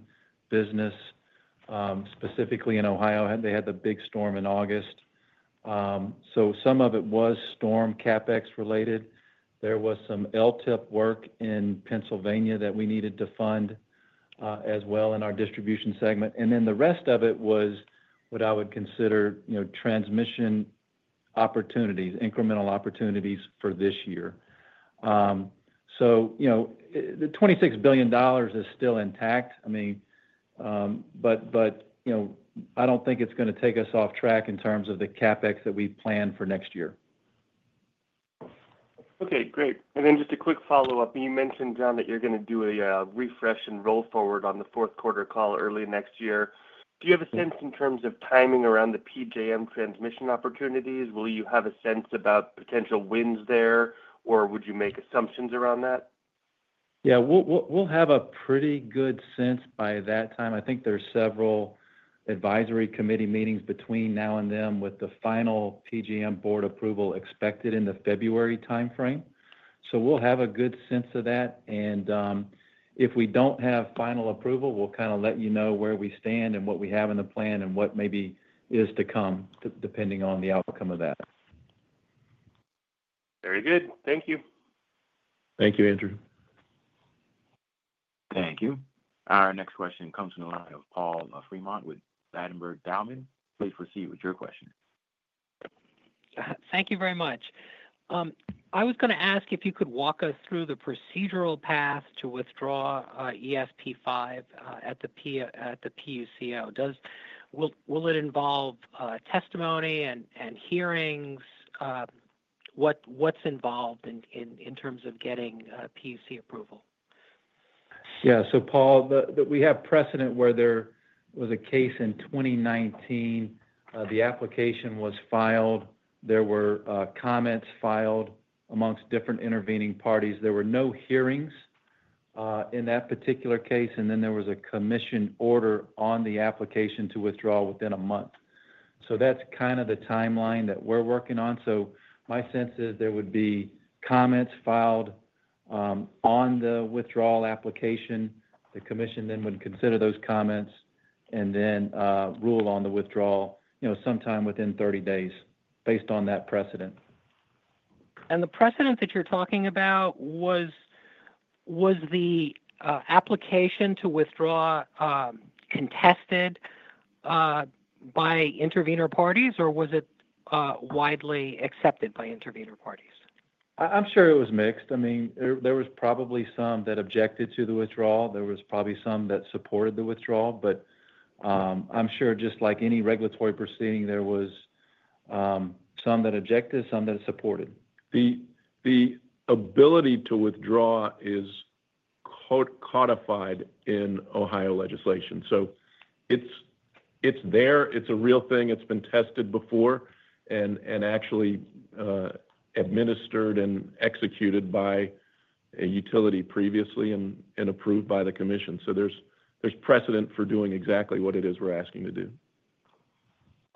business, specifically in Ohio, they had the big storm in August. So some of it was storm CapEx-related. There was some LTIP work in Pennsylvania that we needed to fund as well in our distribution segment. And then the rest of it was what I would consider transmission opportunities, incremental opportunities for this year. So the $26 billion is still intact. I mean, but I don't think it's going to take us off track in terms of the CapEx that we plan for next year. Okay. Great. And then just a quick follow-up. You mentioned, Jon, that you're going to do a refresh and roll forward on the fourth quarter call early next year. Do you have a sense in terms of timing around the PJM transmission opportunities? Will you have a sense about potential wins there, or would you make assumptions around that? Yeah. We'll have a pretty good sense by that time. I think there's several advisory committee meetings between now and then with the final PJM board approval expected in the February timeframe. So we'll have a good sense of that. And if we don't have final approval, we'll kind of let you know where we stand and what we have in the plan and what maybe is to come depending on the outcome of that. Very good. Thank you. Thank you, Andrew. Thank you. Our next question comes from the line of Paul Fremont with Ladenburg Thalmann. Please proceed with your question. Thank you very much. I was going to ask if you could walk us through the procedural path to withdraw ESP5 at the PUCO. Will it involve testimony and hearings? What's involved in terms of getting PUC approval? Yeah. So Paul, we have precedent where there was a case in 2019. The application was filed. There were comments filed amongst different intervening parties. There were no hearings in that particular case. And then there was a commission order on the application to withdraw within a month. So that's kind of the timeline that we're working on. So my sense is there would be comments filed on the withdrawal application. The commission then would consider those comments and then rule on the withdrawal sometime within 30 days based on that precedent. And the precedent that you're talking about, was the application to withdraw contested by intervenor parties, or was it widely accepted by intervenor parties? I'm sure it was mixed. I mean, there was probably some that objected to the withdrawal. There was probably some that supported the withdrawal. But I'm sure just like any regulatory proceeding, there was some that objected, some that supported. The ability to withdraw is codified in Ohio legislation. So it's there. It's a real thing. It's been tested before and actually administered and executed by a utility previously and approved by the commission. So there's precedent for doing exactly what it is we're asking to do.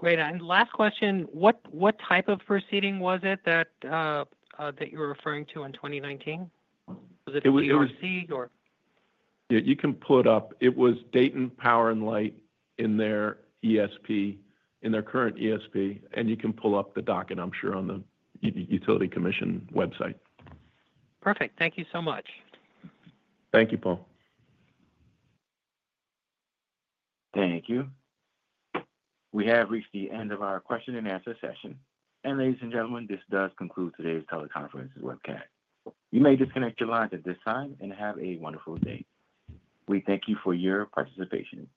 Great. And last question, what type of proceeding was it that you were referring to in 2019? Was it PUC or? You can look it up; it was Dayton Power and Light in their current ESP. And you can pull up the document, I'm sure, on the utility commission website. Perfect. Thank you so much. Thank you, Paul. Thank you. We have reached the end of our question-and-answer session. And ladies and gentlemen, this does conclude today's teleconference webcast. You may disconnect your lines at this time and have a wonderful day. We thank you for your participation.